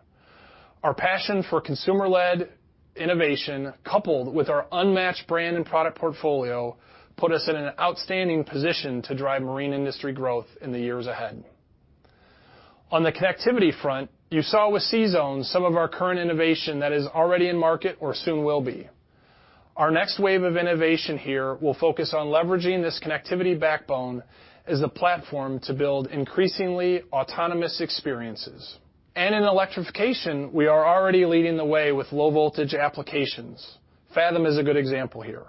Our passion for consumer-led innovation, coupled with our unmatched brand and product portfolio, put us in an outstanding position to drive marine industry growth in the years ahead. On the connectivity front, you saw with CZone some of our current innovation that is already in market or soon will be. Our next wave of innovation here will focus on leveraging this connectivity backbone as the platform to build increasingly autonomous experiences. And in electrification, we are already leading the way with low-voltage applications. Fathom is a good example here.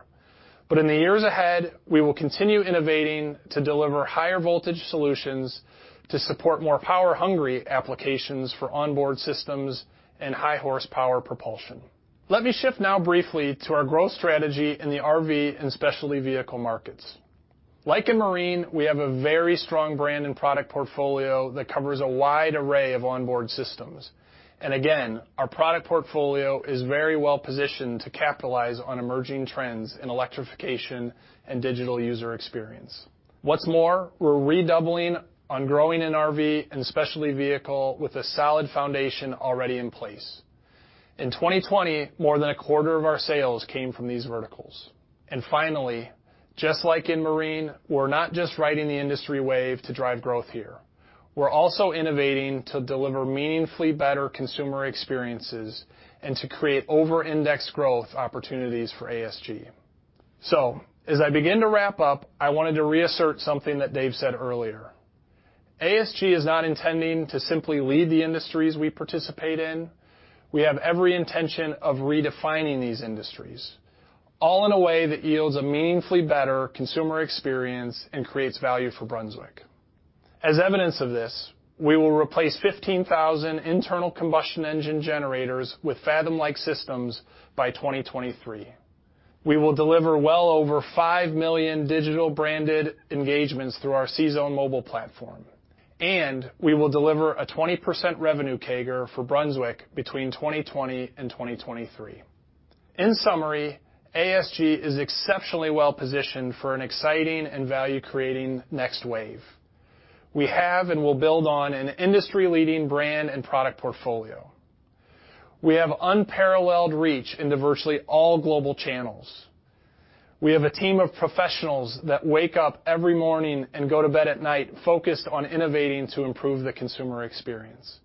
But in the years ahead, we will continue innovating to deliver higher-voltage solutions to support more power-hungry applications for onboard systems and high-horsepower propulsion. Let me shift now briefly to our growth strategy in the RV and specialty vehicle markets. Like in marine, we have a very strong brand and product portfolio that covers a wide array of onboard systems. And again, our product portfolio is very well-positioned to capitalize on emerging trends in electrification and digital user experience. What's more, we're redoubling on growing in RV and specialty vehicle with a solid foundation already in place. In 2020, more than a quarter of our sales came from these verticals. And finally, just like in marine, we're not just riding the industry wave to drive growth here. We're also innovating to deliver meaningfully better consumer experiences and to create over-index growth opportunities for ASG. As I begin to wrap up, I wanted to reassert something that Dave said earlier. ASG is not intending to simply lead the industries we participate in. We have every intention of redefining these industries, all in a way that yields a meaningfully better consumer experience and creates value for Brunswick. As evidence of this, we will replace 15,000 internal combustion engine generators with Fathom-like systems by 2023. We will deliver well over 5 million digital-branded engagements through our CZone Mobile platform. And we will deliver a 20% revenue CAGR for Brunswick between 2020 and 2023. In summary, ASG is exceptionally well-positioned for an exciting and value-creating next wave. We have and will build on an industry-leading brand and product portfolio. We have unparalleled reach into virtually all global channels. We have a team of professionals that wake up every morning and go to bed at night focused on innovating to improve the consumer experience.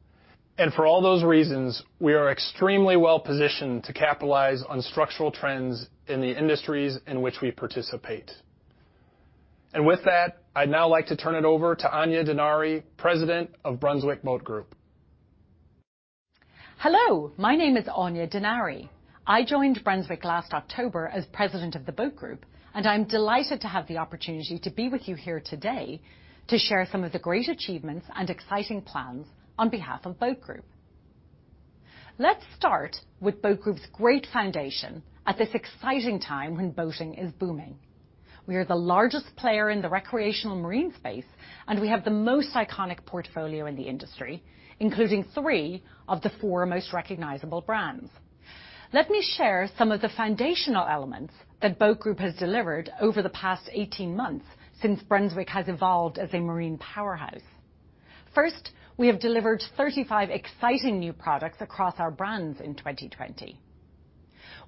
And for all those reasons, we are extremely well-positioned to capitalize on structural trends in the industries in which we participate. And with that, I'd now like to turn it over to Aine Denari, President of Brunswick Boat Group. Hello, my name is Aine Denari. I joined Brunswick last October as President of the Boat Group, and I'm delighted to have the opportunity to be with you here today to share some of the great achievements and exciting plans on behalf of Boat Group. Let's start with Boat Group's great foundation at this exciting time when boating is booming. We are the largest player in the recreational marine space, and we have the most iconic portfolio in the industry, including three of the four most recognizable brands. Let me share some of the foundational elements that Boat Group has delivered over the past 18 months since Brunswick has evolved as a marine powerhouse. First, we have delivered 35 exciting new products across our brands in 2020.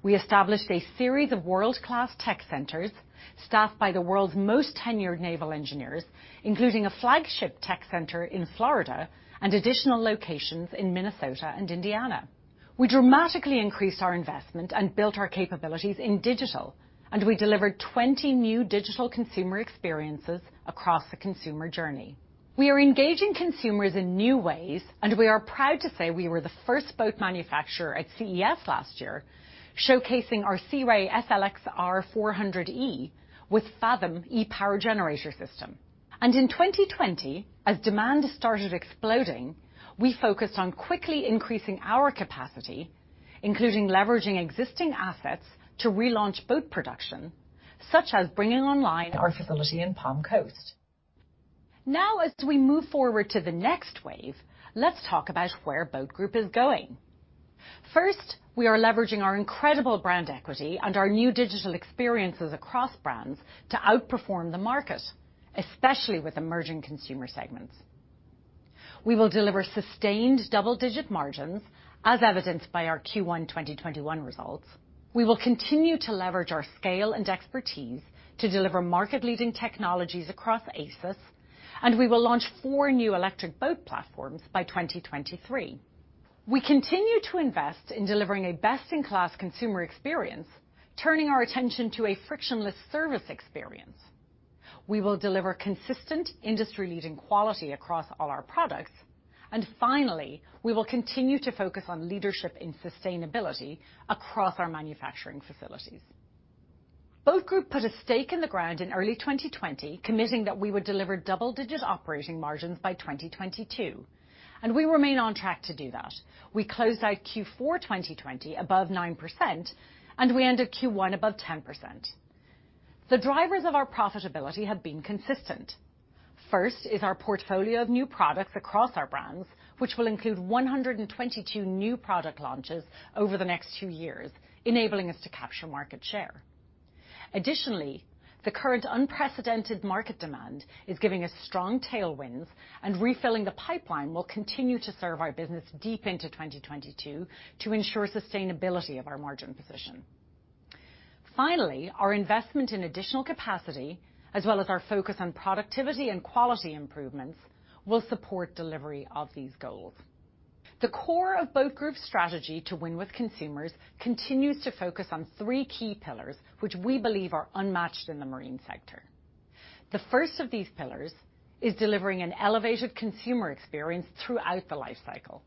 We established a series of world-class tech centers staffed by the world's most tenured naval engineers, including a flagship tech center in Florida and additional locations in Minnesota and Indiana. We dramatically increased our investment and built our capabilities in digital, and we delivered 20 new digital consumer experiences across the consumer journey. We are engaging consumers in new ways, and we are proud to say we were the first boat manufacturer at CES last year, showcasing our Sea Ray SLX-R 400e with Fathom e-Power generator system. And in 2020, as demand started exploding, we focused on quickly increasing our capacity, including leveraging existing assets to relaunch boat production, such as bringing online our facility in Palm Coast. Now, as we move forward to the next wave, let's talk about where Boat Group is going. First, we are leveraging our incredible brand equity and our new digital experiences across brands to outperform the market, especially with emerging consumer segments. We will deliver sustained double-digit margins, as evidenced by our Q1 2021 results. We will continue to leverage our scale and expertise to deliver market-leading technologies across ACES, and we will launch four new electric boat platforms by 2023. We continue to invest in delivering a best-in-class consumer experience, turning our attention to a frictionless service experience. We will deliver consistent industry-leading quality across all our products. And finally, we will continue to focus on leadership in sustainability across our manufacturing facilities. Boat Group put a stake in the ground in early 2020, committing that we would deliver double-digit operating margins by 2022. And we remain on track to do that. We closed out Q4 2020 above 9%, and we ended Q1 above 10%. The drivers of our profitability have been consistent. First is our portfolio of new products across our brands, which will include 122 new product launches over the next two years, enabling us to capture market share. Additionally, the current unprecedented market demand is giving us strong tailwinds, and refilling the pipeline will continue to serve our business deep into 2022 to ensure sustainability of our margin position. Finally, our investment in additional capacity, as well as our focus on productivity and quality improvements, will support delivery of these goals. The core of Boat Group's strategy to win with consumers continues to focus on three key pillars, which we believe are unmatched in the marine sector. The first of these pillars is delivering an elevated consumer experience throughout the lifecycle,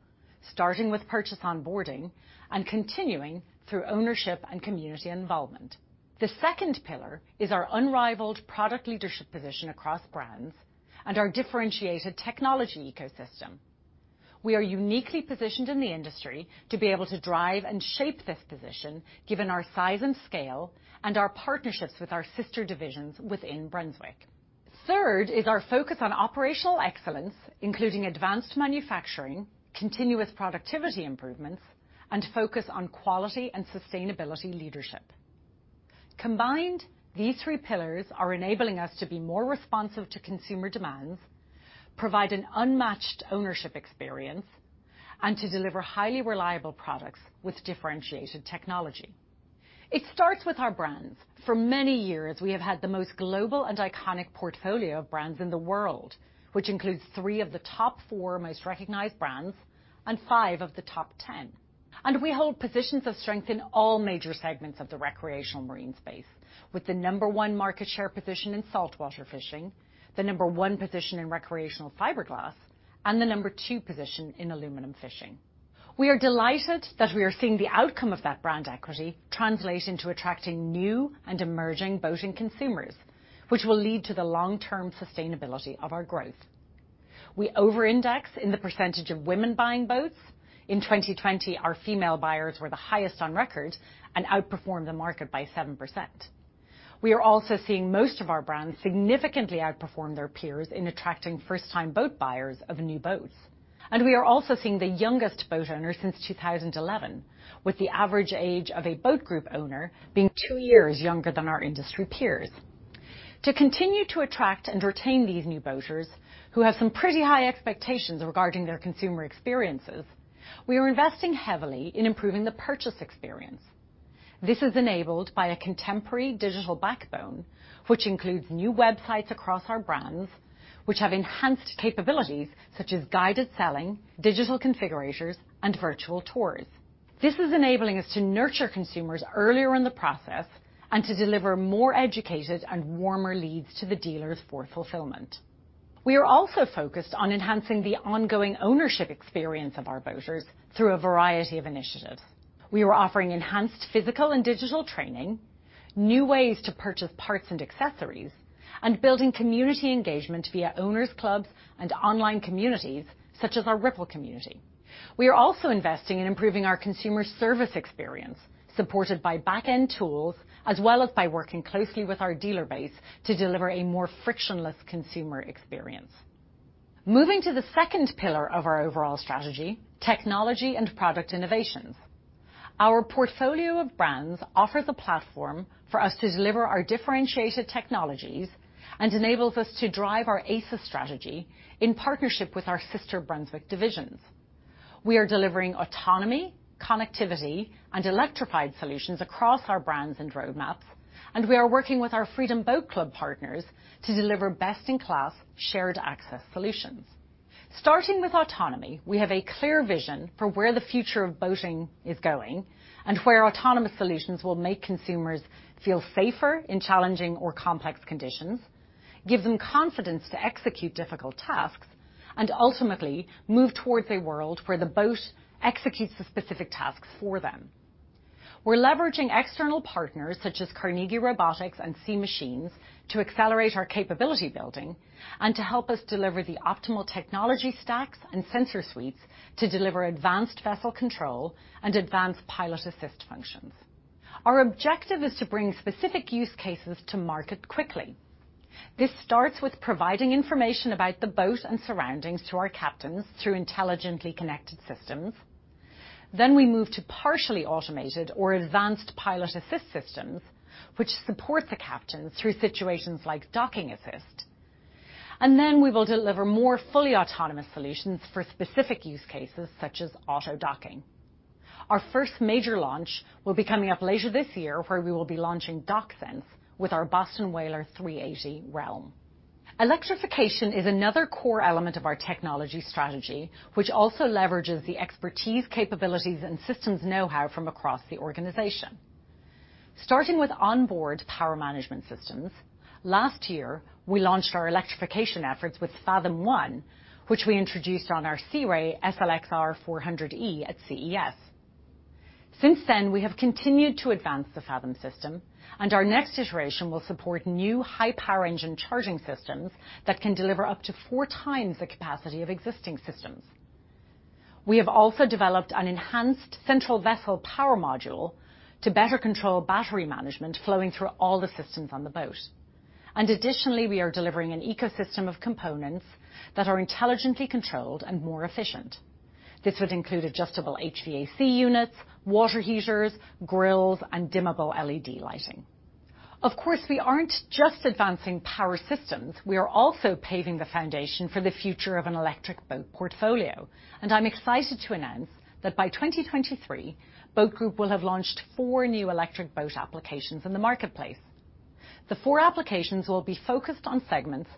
starting with purchase onboarding and continuing through ownership and community involvement. The second pillar is our unrivaled product leadership position across brands and our differentiated technology ecosystem. We are uniquely positioned in the industry to be able to drive and shape this position, given our size and scale and our partnerships with our sister divisions within Brunswick. Third is our focus on operational excellence, including advanced manufacturing, continuous productivity improvements, and focus on quality and sustainability leadership. Combined, these three pillars are enabling us to be more responsive to consumer demands, provide an unmatched ownership experience, and to deliver highly reliable products with differentiated technology. It starts with our brands. For many years, we have had the most global and iconic portfolio of brands in the world, which includes three of the top four most recognized brands and five of the top ten. And we hold positions of strength in all major segments of the recreational marine space, with the number one market share position in saltwater fishing, the number one position in recreational fiberglass, and the number two position in aluminum fishing. We are delighted that we are seeing the outcome of that brand equity translate into attracting new and emerging boating consumers, which will lead to the long-term sustainability of our growth. We over-index in the percentage of women buying boats. In 2020, our female buyers were the highest on record and outperformed the market by 7%. We are also seeing most of our brands significantly outperform their peers in attracting first-time boat buyers of new boats, and we are also seeing the youngest boat owner since 2011, with the average age of a Boat Group owner being two years younger than our industry peers. To continue to attract and retain these new boaters, who have some pretty high expectations regarding their consumer experiences, we are investing heavily in improving the purchase experience. This is enabled by a contemporary digital backbone, which includes new websites across our brands, which have enhanced capabilities such as guided selling, digital configurators, and virtual tours. This is enabling us to nurture consumers earlier in the process and to deliver more educated and warmer leads to the dealers for fulfillment. We are also focused on enhancing the ongoing ownership experience of our boaters through a variety of initiatives. We are offering enhanced physical and digital training, new ways to purchase parts and accessories, and building community engagement via owners' clubs and online communities, such as our Ripple community. We are also investing in improving our consumer service experience, supported by back-end tools, as well as by working closely with our dealer base to deliver a more frictionless consumer experience. Moving to the second pillar of our overall strategy, technology and product innovations. Our portfolio of brands offers a platform for us to deliver our differentiated technologies and enables us to drive our ACES strategy in partnership with our sister Brunswick divisions. We are delivering autonomy, connectivity, and electrified solutions across our brands and roadmaps, and we are working with our Freedom Boat Club partners to deliver best-in-class shared access solutions. Starting with autonomy, we have a clear vision for where the future of boating is going and where autonomous solutions will make consumers feel safer in challenging or complex conditions, give them confidence to execute difficult tasks, and ultimately move towards a world where the boat executes the specific tasks for them. We're leveraging external partners such as Carnegie Robotics and Sea Machines to accelerate our capability building and to help us deliver the optimal technology stacks and sensor suites to deliver advanced vessel control and advanced pilot assist functions. Our objective is to bring specific use cases to market quickly. This starts with providing information about the boat and surroundings to our captains through intelligently connected systems. Then we move to partially automated or advanced pilot assist systems, which support the captains through situations like docking assist, and then we will deliver more fully autonomous solutions for specific use cases such as auto docking. Our first major launch will be coming up later this year, where we will be launching DockSense with our Boston Whaler 380 Realm. Electrification is another core element of our technology strategy, which also leverages the expertise, capabilities, and systems know-how from across the organization. Starting with onboard power management systems, last year, we launched our electrification efforts with Fathom One, which we introduced on our Sea Ray SLX-R 400e at CES. Since then, we have continued to advance the Fathom system, and our next iteration will support new high-power engine charging systems that can deliver up to four times the capacity of existing systems. We have also developed an enhanced central vessel power module to better control battery management flowing through all the systems on the boat. And additionally, we are delivering an ecosystem of components that are intelligently controlled and more efficient. This would include adjustable HVAC units, water heaters, grills, and dimmable LED lighting. Of course, we aren't just advancing power systems. We are also paving the foundation for the future of an electric boat portfolio, and I'm excited to announce that by 2023, Boat Group will have launched four new electric boat applications in the marketplace. The four applications will be focused on segments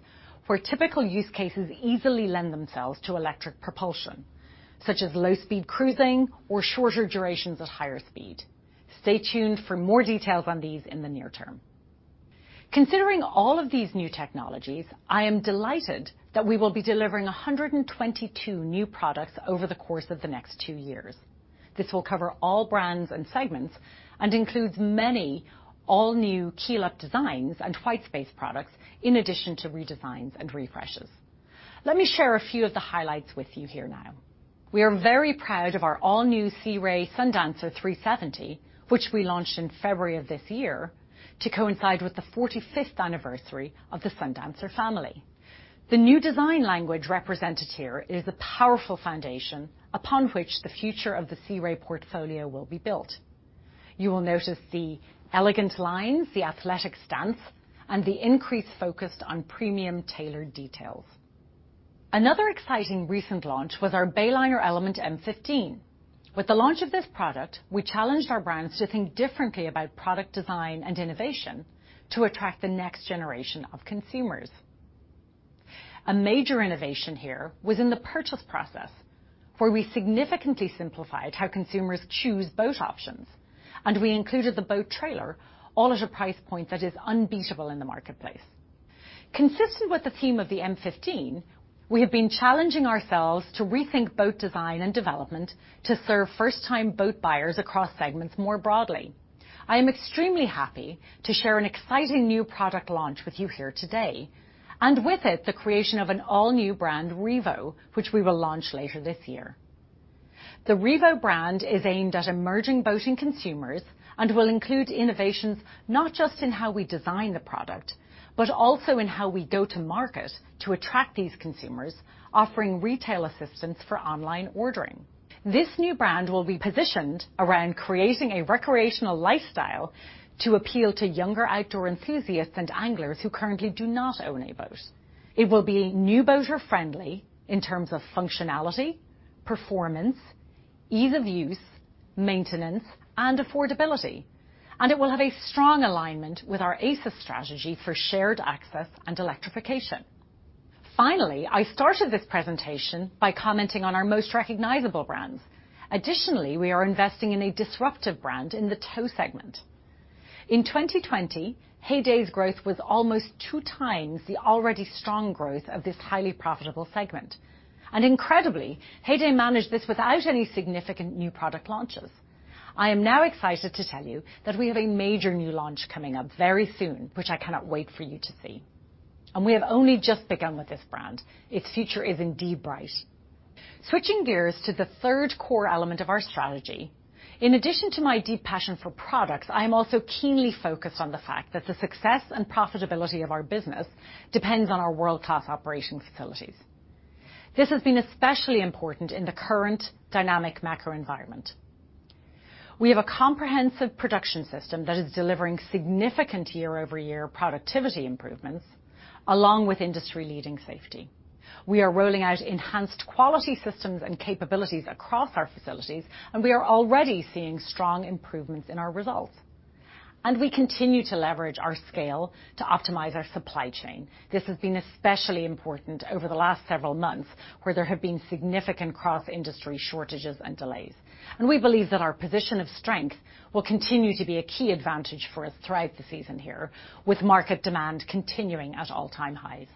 where typical use cases easily lend themselves to electric propulsion, such as low-speed cruising or shorter durations at higher speed. Stay tuned for more details on these in the near term. Considering all of these new technologies, I am delighted that we will be delivering 122 new products over the course of the next two years. This will cover all brands and segments and includes many all-new keel-up designs and whitespace products in addition to redesigns and refreshes. Let me share a few of the highlights with you here now. We are very proud of our all-new Sea Ray Sundancer 370, which we launched in February of this year to coincide with the 45th anniversary of the Sundancer family. The new design language represented here is a powerful foundation upon which the future of the Sea Ray portfolio will be built. You will notice the elegant lines, the athletic stance, and the increase focused on premium tailored details. Another exciting recent launch was our Bayliner Element M15. With the launch of this product, we challenged our brands to think differently about product design and innovation to attract the next generation of consumers. A major innovation here was in the purchase process, where we significantly simplified how consumers choose boat options, and we included the boat trailer all at a price point that is unbeatable in the marketplace. Consistent with the theme of the M15, we have been challenging ourselves to rethink boat design and development to serve first-time boat buyers across segments more broadly. I am extremely happy to share an exciting new product launch with you here today, and with it, the creation of an all-new brand, Revo, which we will launch later this year. The Revo brand is aimed at emerging boating consumers and will include innovations not just in how we design the product, but also in how we go to market to attract these consumers, offering retail assistance for online ordering. This new brand will be positioned around creating a recreational lifestyle to appeal to younger outdoor enthusiasts and anglers who currently do not own a boat. It will be new boater-friendly in terms of functionality, performance, ease of use, maintenance, and affordability, and it will have a strong alignment with our ACES strategy for shared access and electrification. Finally, I started this presentation by commenting on our most recognizable brands. Additionally, we are investing in a disruptive brand in the tow segment. In 2020, Heyday's growth was almost two times the already strong growth of this highly profitable segment. Incredibly, Heyday managed this without any significant new product launches. I am now excited to tell you that we have a major new launch coming up very soon, which I cannot wait for you to see. We have only just begun with this brand. Its future is indeed bright. Switching gears to the third core element of our strategy, in addition to my deep passion for products, I am also keenly focused on the fact that the success and profitability of our business depends on our world-class operating facilities. This has been especially important in the current dynamic macro environment. We have a comprehensive production system that is delivering significant year-over-year productivity improvements, along with industry-leading safety. We are rolling out enhanced quality systems and capabilities across our facilities, and we are already seeing strong improvements in our results. And we continue to leverage our scale to optimize our supply chain. This has been especially important over the last several months, where there have been significant cross-industry shortages and delays. And we believe that our position of strength will continue to be a key advantage for us throughout the season here, with market demand continuing at all-time highs.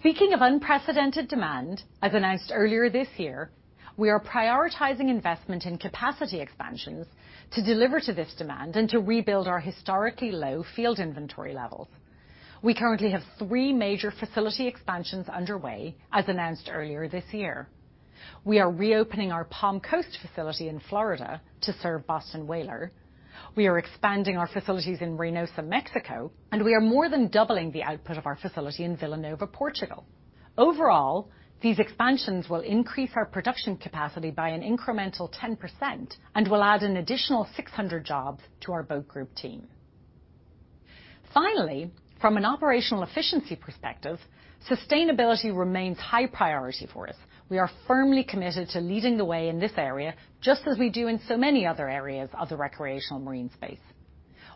Speaking of unprecedented demand, as announced earlier this year, we are prioritizing investment in capacity expansions to deliver to this demand and to rebuild our historically low field inventory levels. We currently have three major facility expansions underway, as announced earlier this year. We are reopening our Palm Coast facility in Florida to serve Boston Whaler. We are expanding our facilities in Reynosa, Mexico, and we are more than doubling the output of our facility in Vila Nova, Portugal. Overall, these expansions will increase our production capacity by an incremental 10% and will add an additional 600 jobs to our Boat Group team. Finally, from an operational efficiency perspective, sustainability remains high priority for us. We are firmly committed to leading the way in this area, just as we do in so many other areas of the recreational marine space.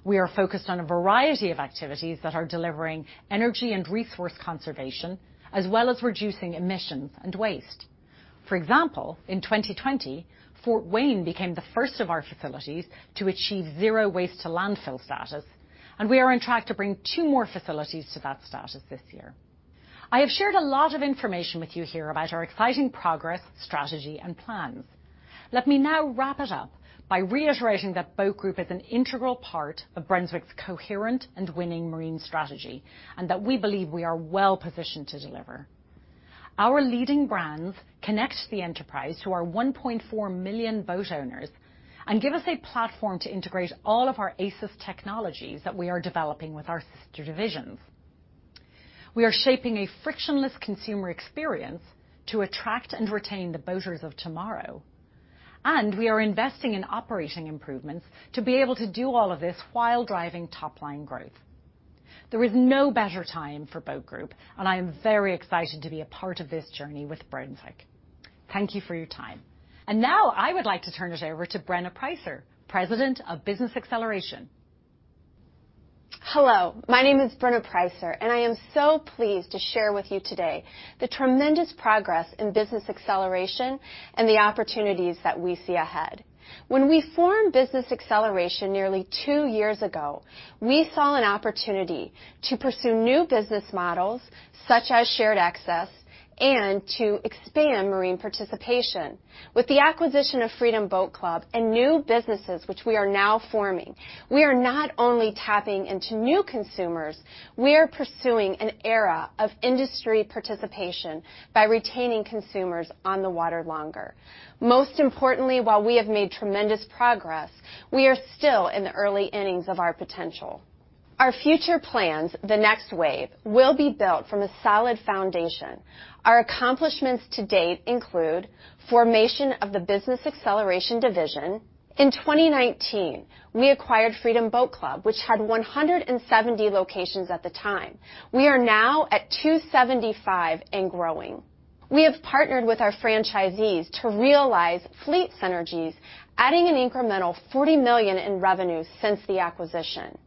We are focused on a variety of activities that are delivering energy and resource conservation, as well as reducing emissions and waste. For example, in 2020, Fort Wayne became the first of our facilities to achieve Zero Waste-to-Landfill status, and we are on track to bring two more facilities to that status this year. I have shared a lot of information with you here about our exciting progress, strategy, and plans. Let me now wrap it up by reiterating that Boat Group is an integral part of Brunswick's coherent and winning marine strategy, and that we believe we are well positioned to deliver. Our leading brands connect the enterprise to our 1.4 million boat owners and give us a platform to integrate all of our ACES technologies that we are developing with our sister divisions. We are shaping a frictionless consumer experience to attract and retain the boaters of tomorrow, and we are investing in operating improvements to be able to do all of this while driving top-line growth. There is no better time for Boat Group, and I am very excited to be a part of this journey with Brunswick. Thank you for your time, and now I would like to turn it over to Brenna Preisser, President of Business Acceleration. Hello. My name is Brenna Preisser, and I am so pleased to share with you today the tremendous progress in Business Acceleration and the opportunities that we see ahead. When we formed Business Acceleration nearly two years ago, we saw an opportunity to pursue new business models such as shared access and to expand marine participation. With the acquisition of Freedom Boat Club and new businesses, which we are now forming, we are not only tapping into new consumers. We are pursuing an era of industry participation by retaining consumers on the water longer. Most importantly, while we have made tremendous progress, we are still in the early innings of our potential. Our future plans, the next wave, will be built from a solid foundation. Our accomplishments to date include the formation of the Business Acceleration division. In 2019, we acquired Freedom Boat Club, which had 170 locations at the time. We are now at 275 and growing. We have partnered with our franchisees to realize fleet synergies, adding an incremental $40 million in revenue since the acquisition.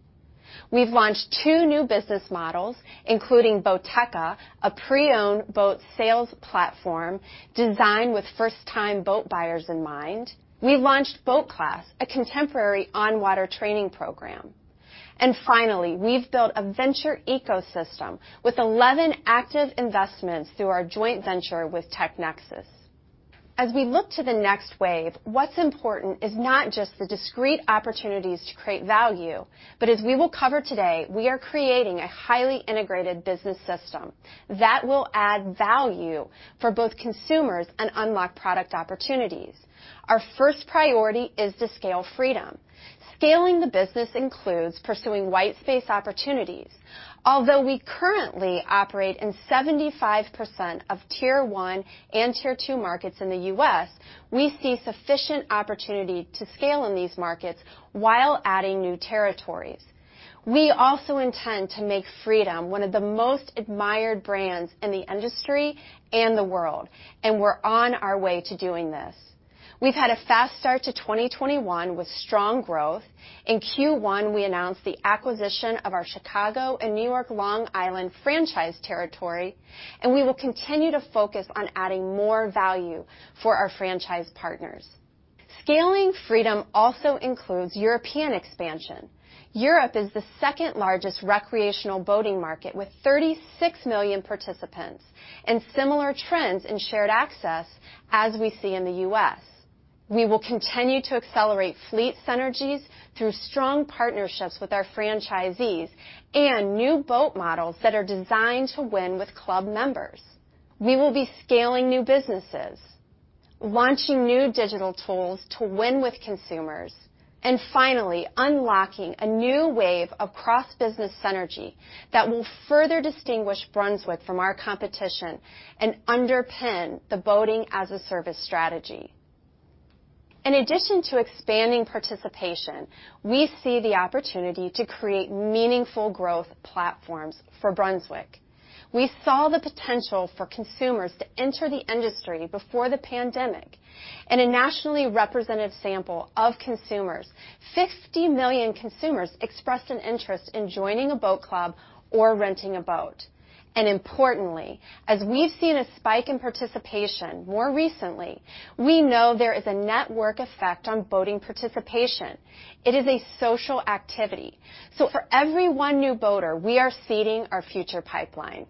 We've launched two new business models, including Boateka, a pre-owned boat sales platform designed with first-time boat buyers in mind. We've launched BoatClass, a contemporary on-water training program, and finally, we've built a venture ecosystem with 11 active investments through our joint venture with TechNexus. As we look to the next wave, what's important is not just the discrete opportunities to create value, but as we will cover today, we are creating a highly integrated business system that will add value for both consumers and unlock product opportunities. Our first priority is to scale freedom. Scaling the business includes pursuing whitespace opportunities. Although we currently operate in 75% of tier one and tier two markets in the U.S., we see sufficient opportunity to scale in these markets while adding new territories. We also intend to make Freedom one of the most admired brands in the industry and the world, and we're on our way to doing this. We've had a fast start to 2021 with strong growth. In Q1, we announced the acquisition of our Chicago and New York Long Island franchise territory, and we will continue to focus on adding more value for our franchise partners. Scaling Freedom also includes European expansion. Europe is the second-largest recreational boating market with 36 million participants and similar trends in shared access as we see in the U.S. We will continue to accelerate fleet synergies through strong partnerships with our franchisees and new boat models that are designed to win with club members. We will be scaling new businesses, launching new digital tools to win with consumers, and finally, unlocking a new wave of cross-business synergy that will further distinguish Brunswick from our competition and underpin the boating-as-a-service strategy. In addition to expanding participation, we see the opportunity to create meaningful growth platforms for Brunswick. We saw the potential for consumers to enter the industry before the pandemic, and a nationally representative sample of consumers, 50 million consumers, expressed an interest in joining a boat club or renting a boat. And importantly, as we've seen a spike in participation more recently, we know there is a network effect on boating participation. It is a social activity. So for every one new boater, we are seeding our future pipeline.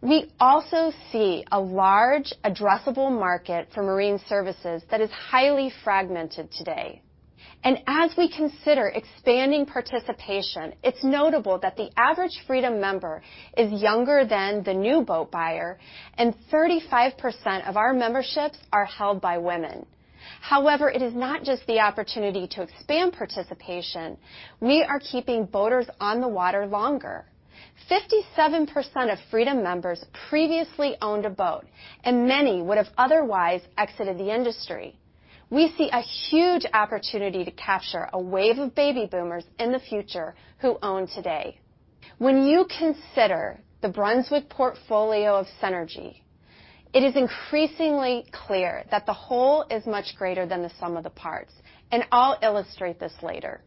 We also see a large addressable market for marine services that is highly fragmented today. As we consider expanding participation, it's notable that the average Freedom member is younger than the new boat buyer, and 35% of our memberships are held by women. However, it is not just the opportunity to expand participation. We are keeping boaters on the water longer. 57% of Freedom members previously owned a boat, and many would have otherwise exited the industry. We see a huge opportunity to capture a wave of baby boomers in the future who own today. When you consider the Brunswick portfolio of synergy, it is increasingly clear that the whole is much greater than the sum of the parts. And I'll illustrate this later.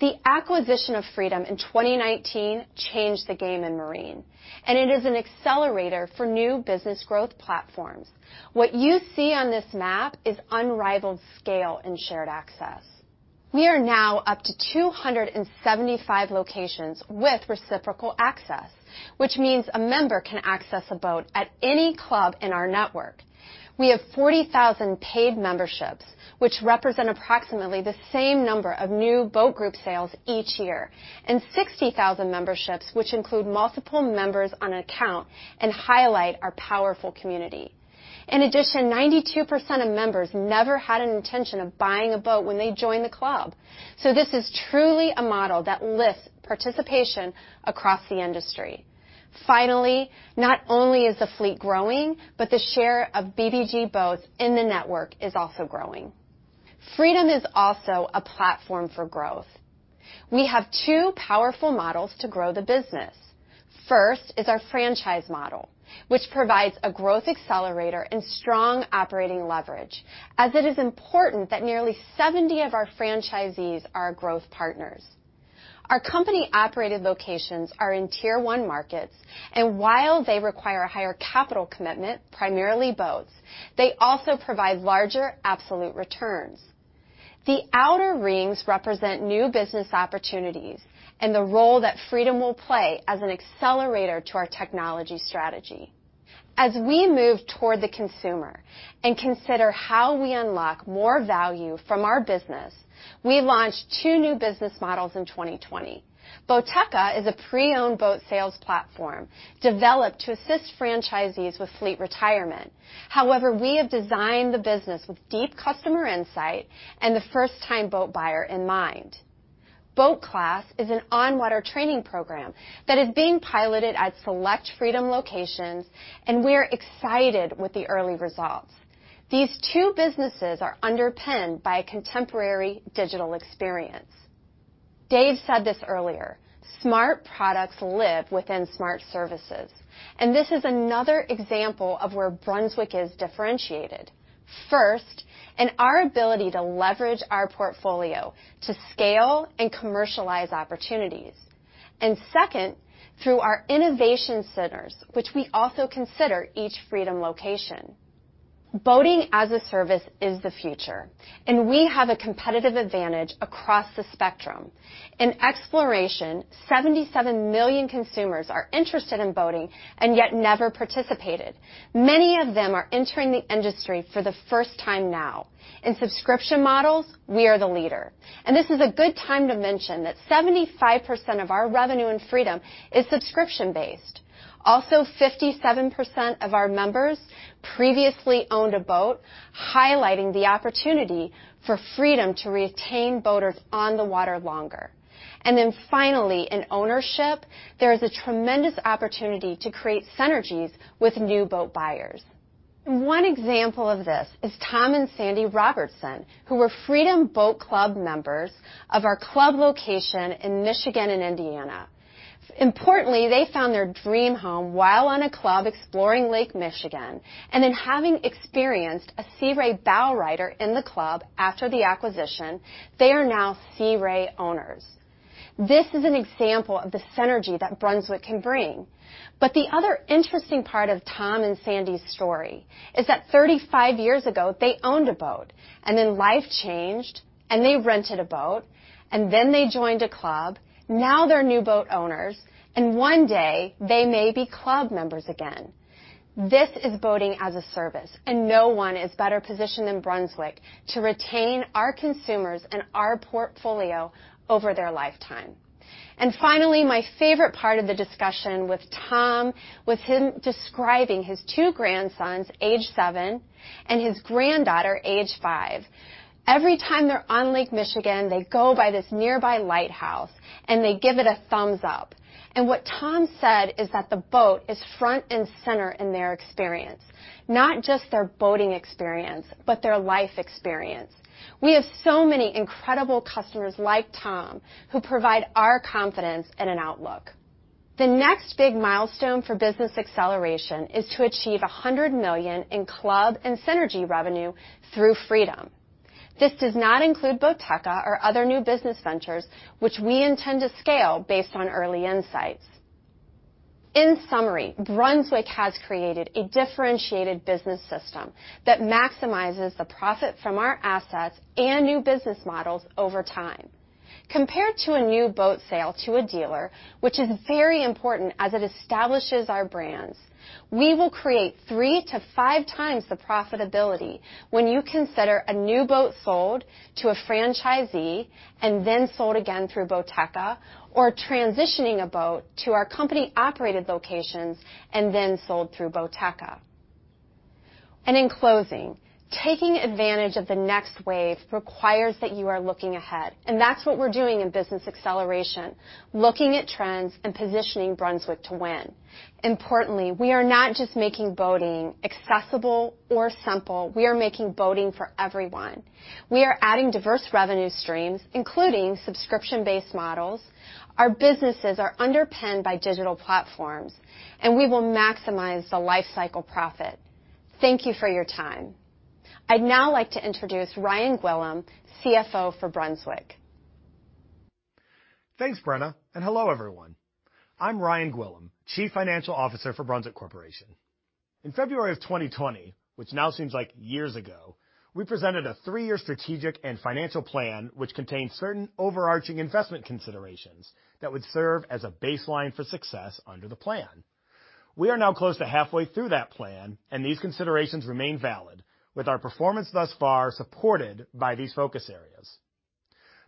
The acquisition of Freedom in 2019 changed the game in marine, and it is an accelerator for new business growth platforms. What you see on this map is unrivaled scale in shared access. We are now up to 275 locations with reciprocal access, which means a member can access a boat at any club in our network. We have 40,000 paid memberships, which represent approximately the same number of new Boat Group sales each year, and 60,000 memberships, which include multiple members on account and highlight our powerful community. In addition, 92% of members never had an intention of buying a boat when they joined the club. So this is truly a model that lifts participation across the industry. Finally, not only is the fleet growing, but the share of BBG boats in the network is also growing. Freedom is also a platform for growth. We have two powerful models to grow the business. First is our franchise model, which provides a growth accelerator and strong operating leverage, as it is important that nearly 70 of our franchisees are growth partners. Our company-operated locations are in tier one markets, and while they require a higher capital commitment, primarily boats, they also provide larger absolute returns. The outer rings represent new business opportunities and the role that Freedom will play as an accelerator to our technology strategy. As we move toward the consumer and consider how we unlock more value from our business, we launched two new business models in 2020. Boateka is a pre-owned boat sales platform developed to assist franchisees with fleet retirement. However, we have designed the business with deep customer insight and the first-time boat buyer in mind. BoatClass is an on-water training program that is being piloted at select Freedom locations, and we are excited with the early results. These two businesses are underpinned by a contemporary digital experience. Dave said this earlier. Smart products live within smart services, and this is another example of where Brunswick is differentiated, first in our ability to leverage our portfolio to scale and commercialize opportunities, and second, through our innovation centers, which we also consider each Freedom location. Boating as a service is the future, and we have a competitive advantage across the spectrum. In exploration, 77 million consumers are interested in boating and yet never participated. Many of them are entering the industry for the first time now. In subscription models, we are the leader, and this is a good time to mention that 75% of our revenue in Freedom is subscription-based. Also, 57% of our members previously owned a boat, highlighting the opportunity for Freedom to retain boaters on the water longer, and then finally, in ownership, there is a tremendous opportunity to create synergies with new boat buyers. One example of this is Tom and Sandy Robertson, who were Freedom Boat Club members of our club location in Michigan and Indiana. Importantly, they found their dream home while on a club exploring Lake Michigan, and then having experienced a Sea Ray bowrider in the club after the acquisition, they are now Sea Ray owners. This is an example of the synergy that Brunswick can bring, but the other interesting part of Tom and Sandy's story is that 35 years ago, they owned a boat, and then life changed, and they rented a boat, and then they joined a club. Now they're new boat owners, and one day they may be club members again. This is boating as a service, and no one is better positioned than Brunswick to retain our consumers and our portfolio over their lifetime. Finally, my favorite part of the discussion with Tom was him describing his two grandsons, age seven, and his granddaughter, age five. Every time they're on Lake Michigan, they go by this nearby lighthouse and they give it a thumbs up. And what Tom said is that the boat is front and center in their experience, not just their boating experience, but their life experience. We have so many incredible customers like Tom who provide our confidence and an outlook. The next big milestone for Business Acceleration is to achieve $100 million in club and synergy revenue through Freedom. This does not include Boateka or other new business ventures, which we intend to scale based on early insights. In summary, Brunswick has created a differentiated business system that maximizes the profit from our assets and new business models over time. Compared to a new boat sale to a dealer, which is very important as it establishes our brands, we will create three to five times the profitability when you consider a new boat sold to a franchisee and then sold again through Boateka, or transitioning a boat to our company-operated locations and then sold through Boateka. In closing, taking advantage of the next wave requires that you are looking ahead, and that's what we're doing in Business Acceleration, looking at trends and positioning Brunswick to win. Importantly, we are not just making boating accessible or simple. We are making boating for everyone. We are adding diverse revenue streams, including subscription-based models. Our businesses are underpinned by digital platforms, and we will maximize the life cycle profit. Thank you for your time. I'd now like to introduce Ryan Gwillim, CFO for Brunswick. Thanks, Brenna, and hello, everyone. I'm Ryan Gwillim, Chief Financial Officer for Brunswick Corporation. In February of 2020, which now seems like years ago, we presented a three-year strategic and financial plan which contained certain overarching investment considerations that would serve as a baseline for success under the plan. We are now close to halfway through that plan, and these considerations remain valid, with our performance thus far supported by these focus areas.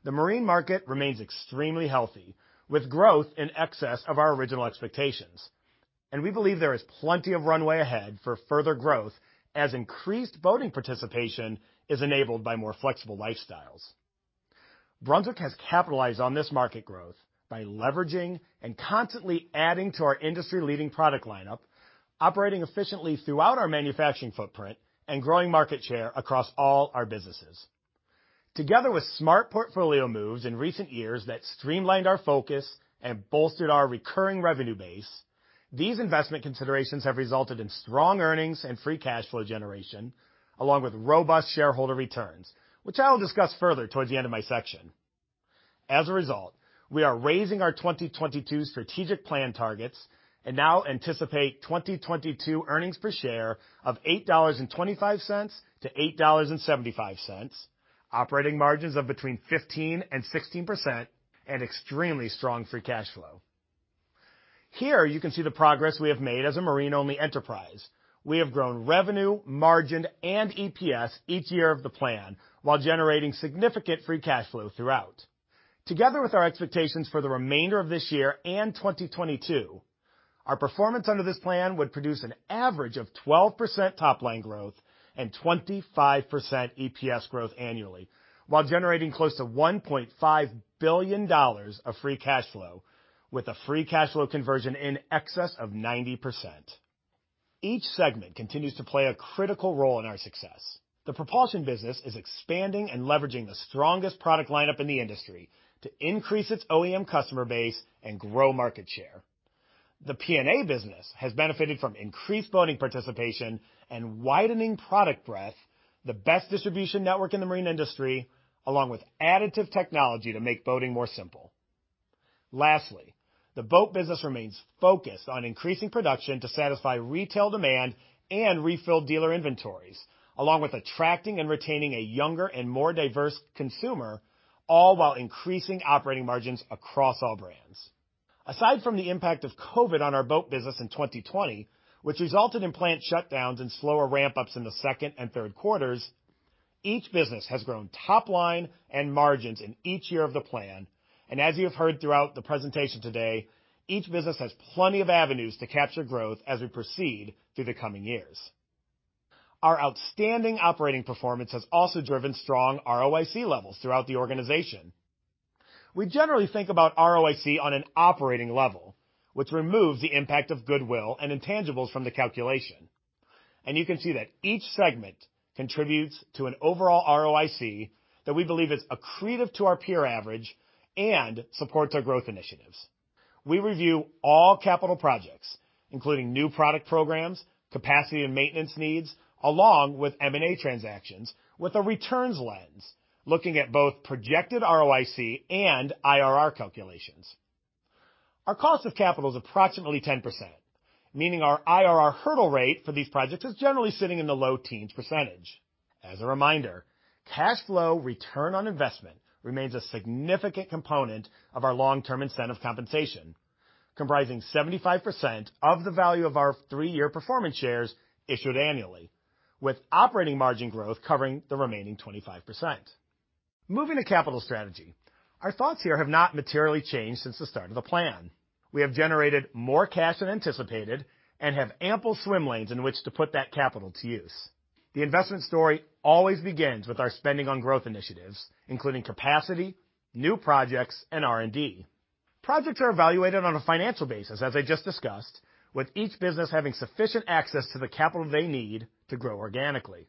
The marine market remains extremely healthy, with growth in excess of our original expectations, and we believe there is plenty of runway ahead for further growth as increased boating participation is enabled by more flexible lifestyles. Brunswick has capitalized on this market growth by leveraging and constantly adding to our industry-leading product lineup, operating efficiently throughout our manufacturing footprint and growing market share across all our businesses. Together with smart portfolio moves in recent years that streamlined our focus and bolstered our recurring revenue base, these investment considerations have resulted in strong earnings and free cash flow generation, along with robust shareholder returns, which I'll discuss further toward the end of my section. As a result, we are raising our 2022 strategic plan targets and now anticipate 2022 earnings per share of $8.25-$8.75, operating margins of between 15% and 16%, and extremely strong free cash flow. Here you can see the progress we have made as a marine-only enterprise. We have grown revenue, margin, and EPS each year of the plan while generating significant free cash flow throughout. Together with our expectations for the remainder of this year and 2022, our performance under this plan would produce an average of 12% top-line growth and 25% EPS growth annually, while generating close to $1.5 billion of free cash flow, with a free cash flow conversion in excess of 90%. Each segment continues to play a critical role in our success. The propulsion business is expanding and leveraging the strongest product lineup in the industry to increase its OEM customer base and grow market share. The P&A business has benefited from increased boating participation and widening product breadth, the best distribution network in the marine industry, along with additive technology to make boating more simple. Lastly, the boat business remains focused on increasing production to satisfy retail demand and refill dealer inventories, along with attracting and retaining a younger and more diverse consumer, all while increasing operating margins across all brands. Aside from the impact of COVID on our boat business in 2020, which resulted in plant shutdowns and slower ramp-ups in the second and third quarters, each business has grown top-line and margins in each year of the plan. And as you have heard throughout the presentation today, each business has plenty of avenues to capture growth as we proceed through the coming years. Our outstanding operating performance has also driven strong ROIC levels throughout the organization. We generally think about ROIC on an operating level, which removes the impact of goodwill and intangibles from the calculation. You can see that each segment contributes to an overall ROIC that we believe is accretive to our peer average and supports our growth initiatives. We review all capital projects, including new product programs, capacity and maintenance needs, along with M&A transactions, with a returns lens, looking at both projected ROIC and IRR calculations. Our cost of capital is approximately 10%, meaning our IRR hurdle rate for these projects is generally sitting in the low teens percentage. As a reminder, cash flow return on investment remains a significant component of our long-term incentive compensation, comprising 75% of the value of our three-year performance shares issued annually, with operating margin growth covering the remaining 25%. Moving to capital strategy, our thoughts here have not materially changed since the start of the plan. We have generated more cash than anticipated and have ample swim lanes in which to put that capital to use. The investment story always begins with our spending on growth initiatives, including capacity, new projects, and R&D. Projects are evaluated on a financial basis, as I just discussed, with each business having sufficient access to the capital they need to grow organically.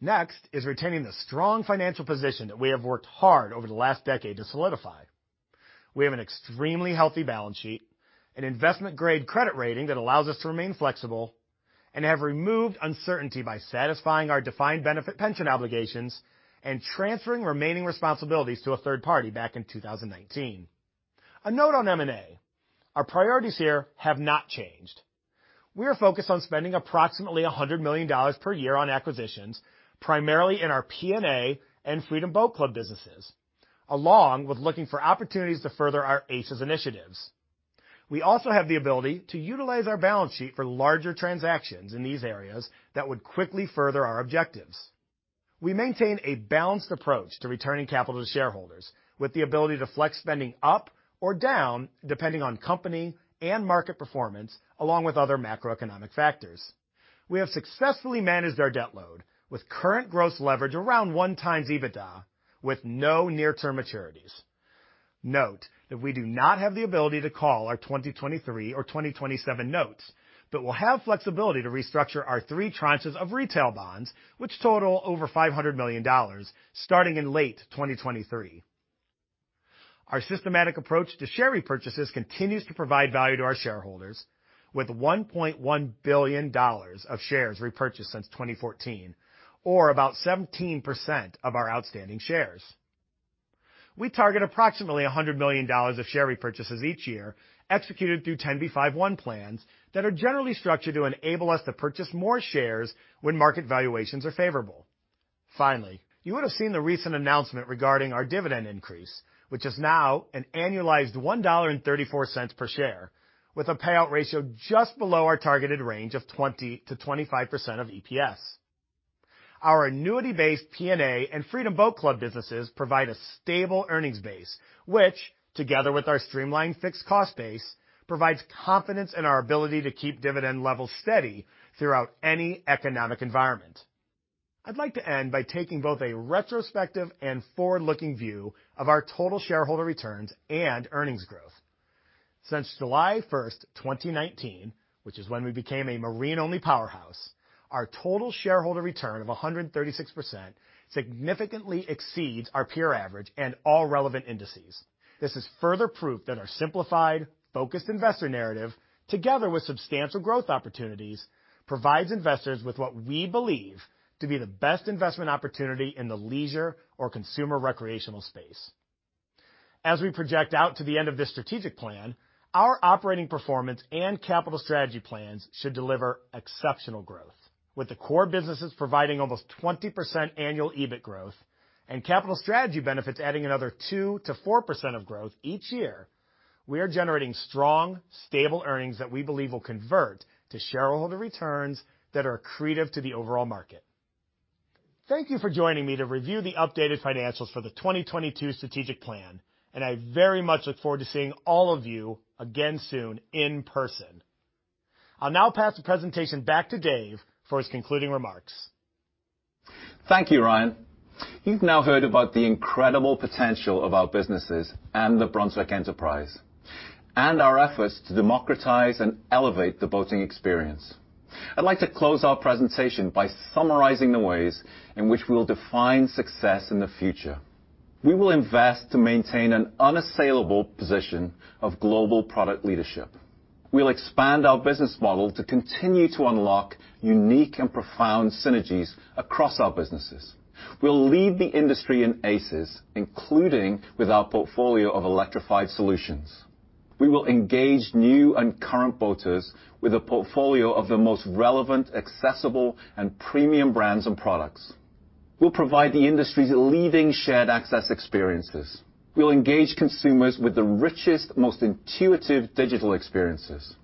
Next is retaining the strong financial position that we have worked hard over the last decade to solidify. We have an extremely healthy balance sheet, an investment-grade credit rating that allows us to remain flexible, and have removed uncertainty by satisfying our defined benefit pension obligations and transferring remaining responsibilities to a third party back in 2019. A note on M&A: our priorities here have not changed. We are focused on spending approximately $100 million per year on acquisitions, primarily in our P&A and Freedom Boat Club businesses, along with looking for opportunities to further our ACES initiatives. We also have the ability to utilize our balance sheet for larger transactions in these areas that would quickly further our objectives. We maintain a balanced approach to returning capital to shareholders, with the ability to flex spending up or down depending on company and market performance, along with other macroeconomic factors. We have successfully managed our debt load with current gross leverage around one times EBITDA, with no near-term maturities. Note that we do not have the ability to call our 2023 or 2027 notes, but we'll have flexibility to restructure our three tranches of retail bonds, which total over $500 million starting in late 2023. Our systematic approach to share repurchases continues to provide value to our shareholders, with $1.1 billion of shares repurchased since 2014, or about 17% of our outstanding shares. We target approximately $100 million of share repurchases each year, executed through 10b5-1 plans that are generally structured to enable us to purchase more shares when market valuations are favorable. Finally, you would have seen the recent announcement regarding our dividend increase, which is now an annualized $1.34 per share, with a payout ratio just below our targeted range of 20%-25% of EPS. Our annuity-based P&A and Freedom Boat Club businesses provide a stable earnings base, which, together with our streamlined fixed cost base, provides confidence in our ability to keep dividend levels steady throughout any economic environment. I'd like to end by taking both a retrospective and forward-looking view of our total shareholder returns and earnings growth. Since July 1, 2019, which is when we became a marine-only powerhouse, our total shareholder return of 136% significantly exceeds our peer average and all relevant indices. This is further proof that our simplified, focused investor narrative, together with substantial growth opportunities, provides investors with what we believe to be the best investment opportunity in the leisure or consumer recreational space. As we project out to the end of this strategic plan, our operating performance and capital strategy plans should deliver exceptional growth. With the core businesses providing almost 20% annual EBIT growth and capital strategy benefits adding another 2%-4% of growth each year, we are generating strong, stable earnings that we believe will convert to shareholder returns that are accretive to the overall market. Thank you for joining me to review the updated financials for the 2022 strategic plan, and I very much look forward to seeing all of you again soon in person. I'll now pass the presentation back to Dave for his concluding remarks. Thank you, Ryan. You've now heard about the incredible potential of our businesses and the Brunswick Enterprise and our efforts to democratize and elevate the boating experience. I'd like to close our presentation by summarizing the ways in which we'll define success in the future. We will invest to maintain an unassailable position of global product leadership. We'll expand our business model to continue to unlock unique and profound synergies across our businesses. We'll lead the industry in ACES, including with our portfolio of electrified solutions. We will engage new and current boaters with a portfolio of the most relevant, accessible, and premium brands and products. We'll provide the industry's leading shared access experiences. We'll engage consumers with the richest, most intuitive digital experiences.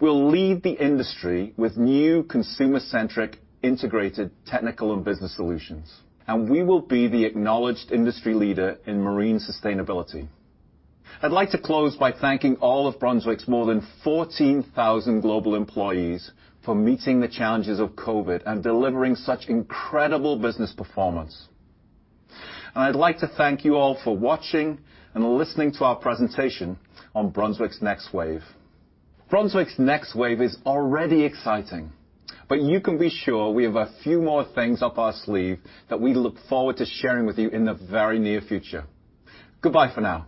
We'll lead the industry with new consumer-centric integrated technical and business solutions, and we will be the acknowledged industry leader in marine sustainability. I'd like to close by thanking all of Brunswick's more than 14,000 global employees for meeting the challenges of COVID and delivering such incredible business performance, and I'd like to thank you all for watching and listening to our presentation on Brunswick's Next Wave. Brunswick's Next Wave is already exciting, but you can be sure we have a few more things up our sleeve that we look forward to sharing with you in the very near future. Goodbye for now.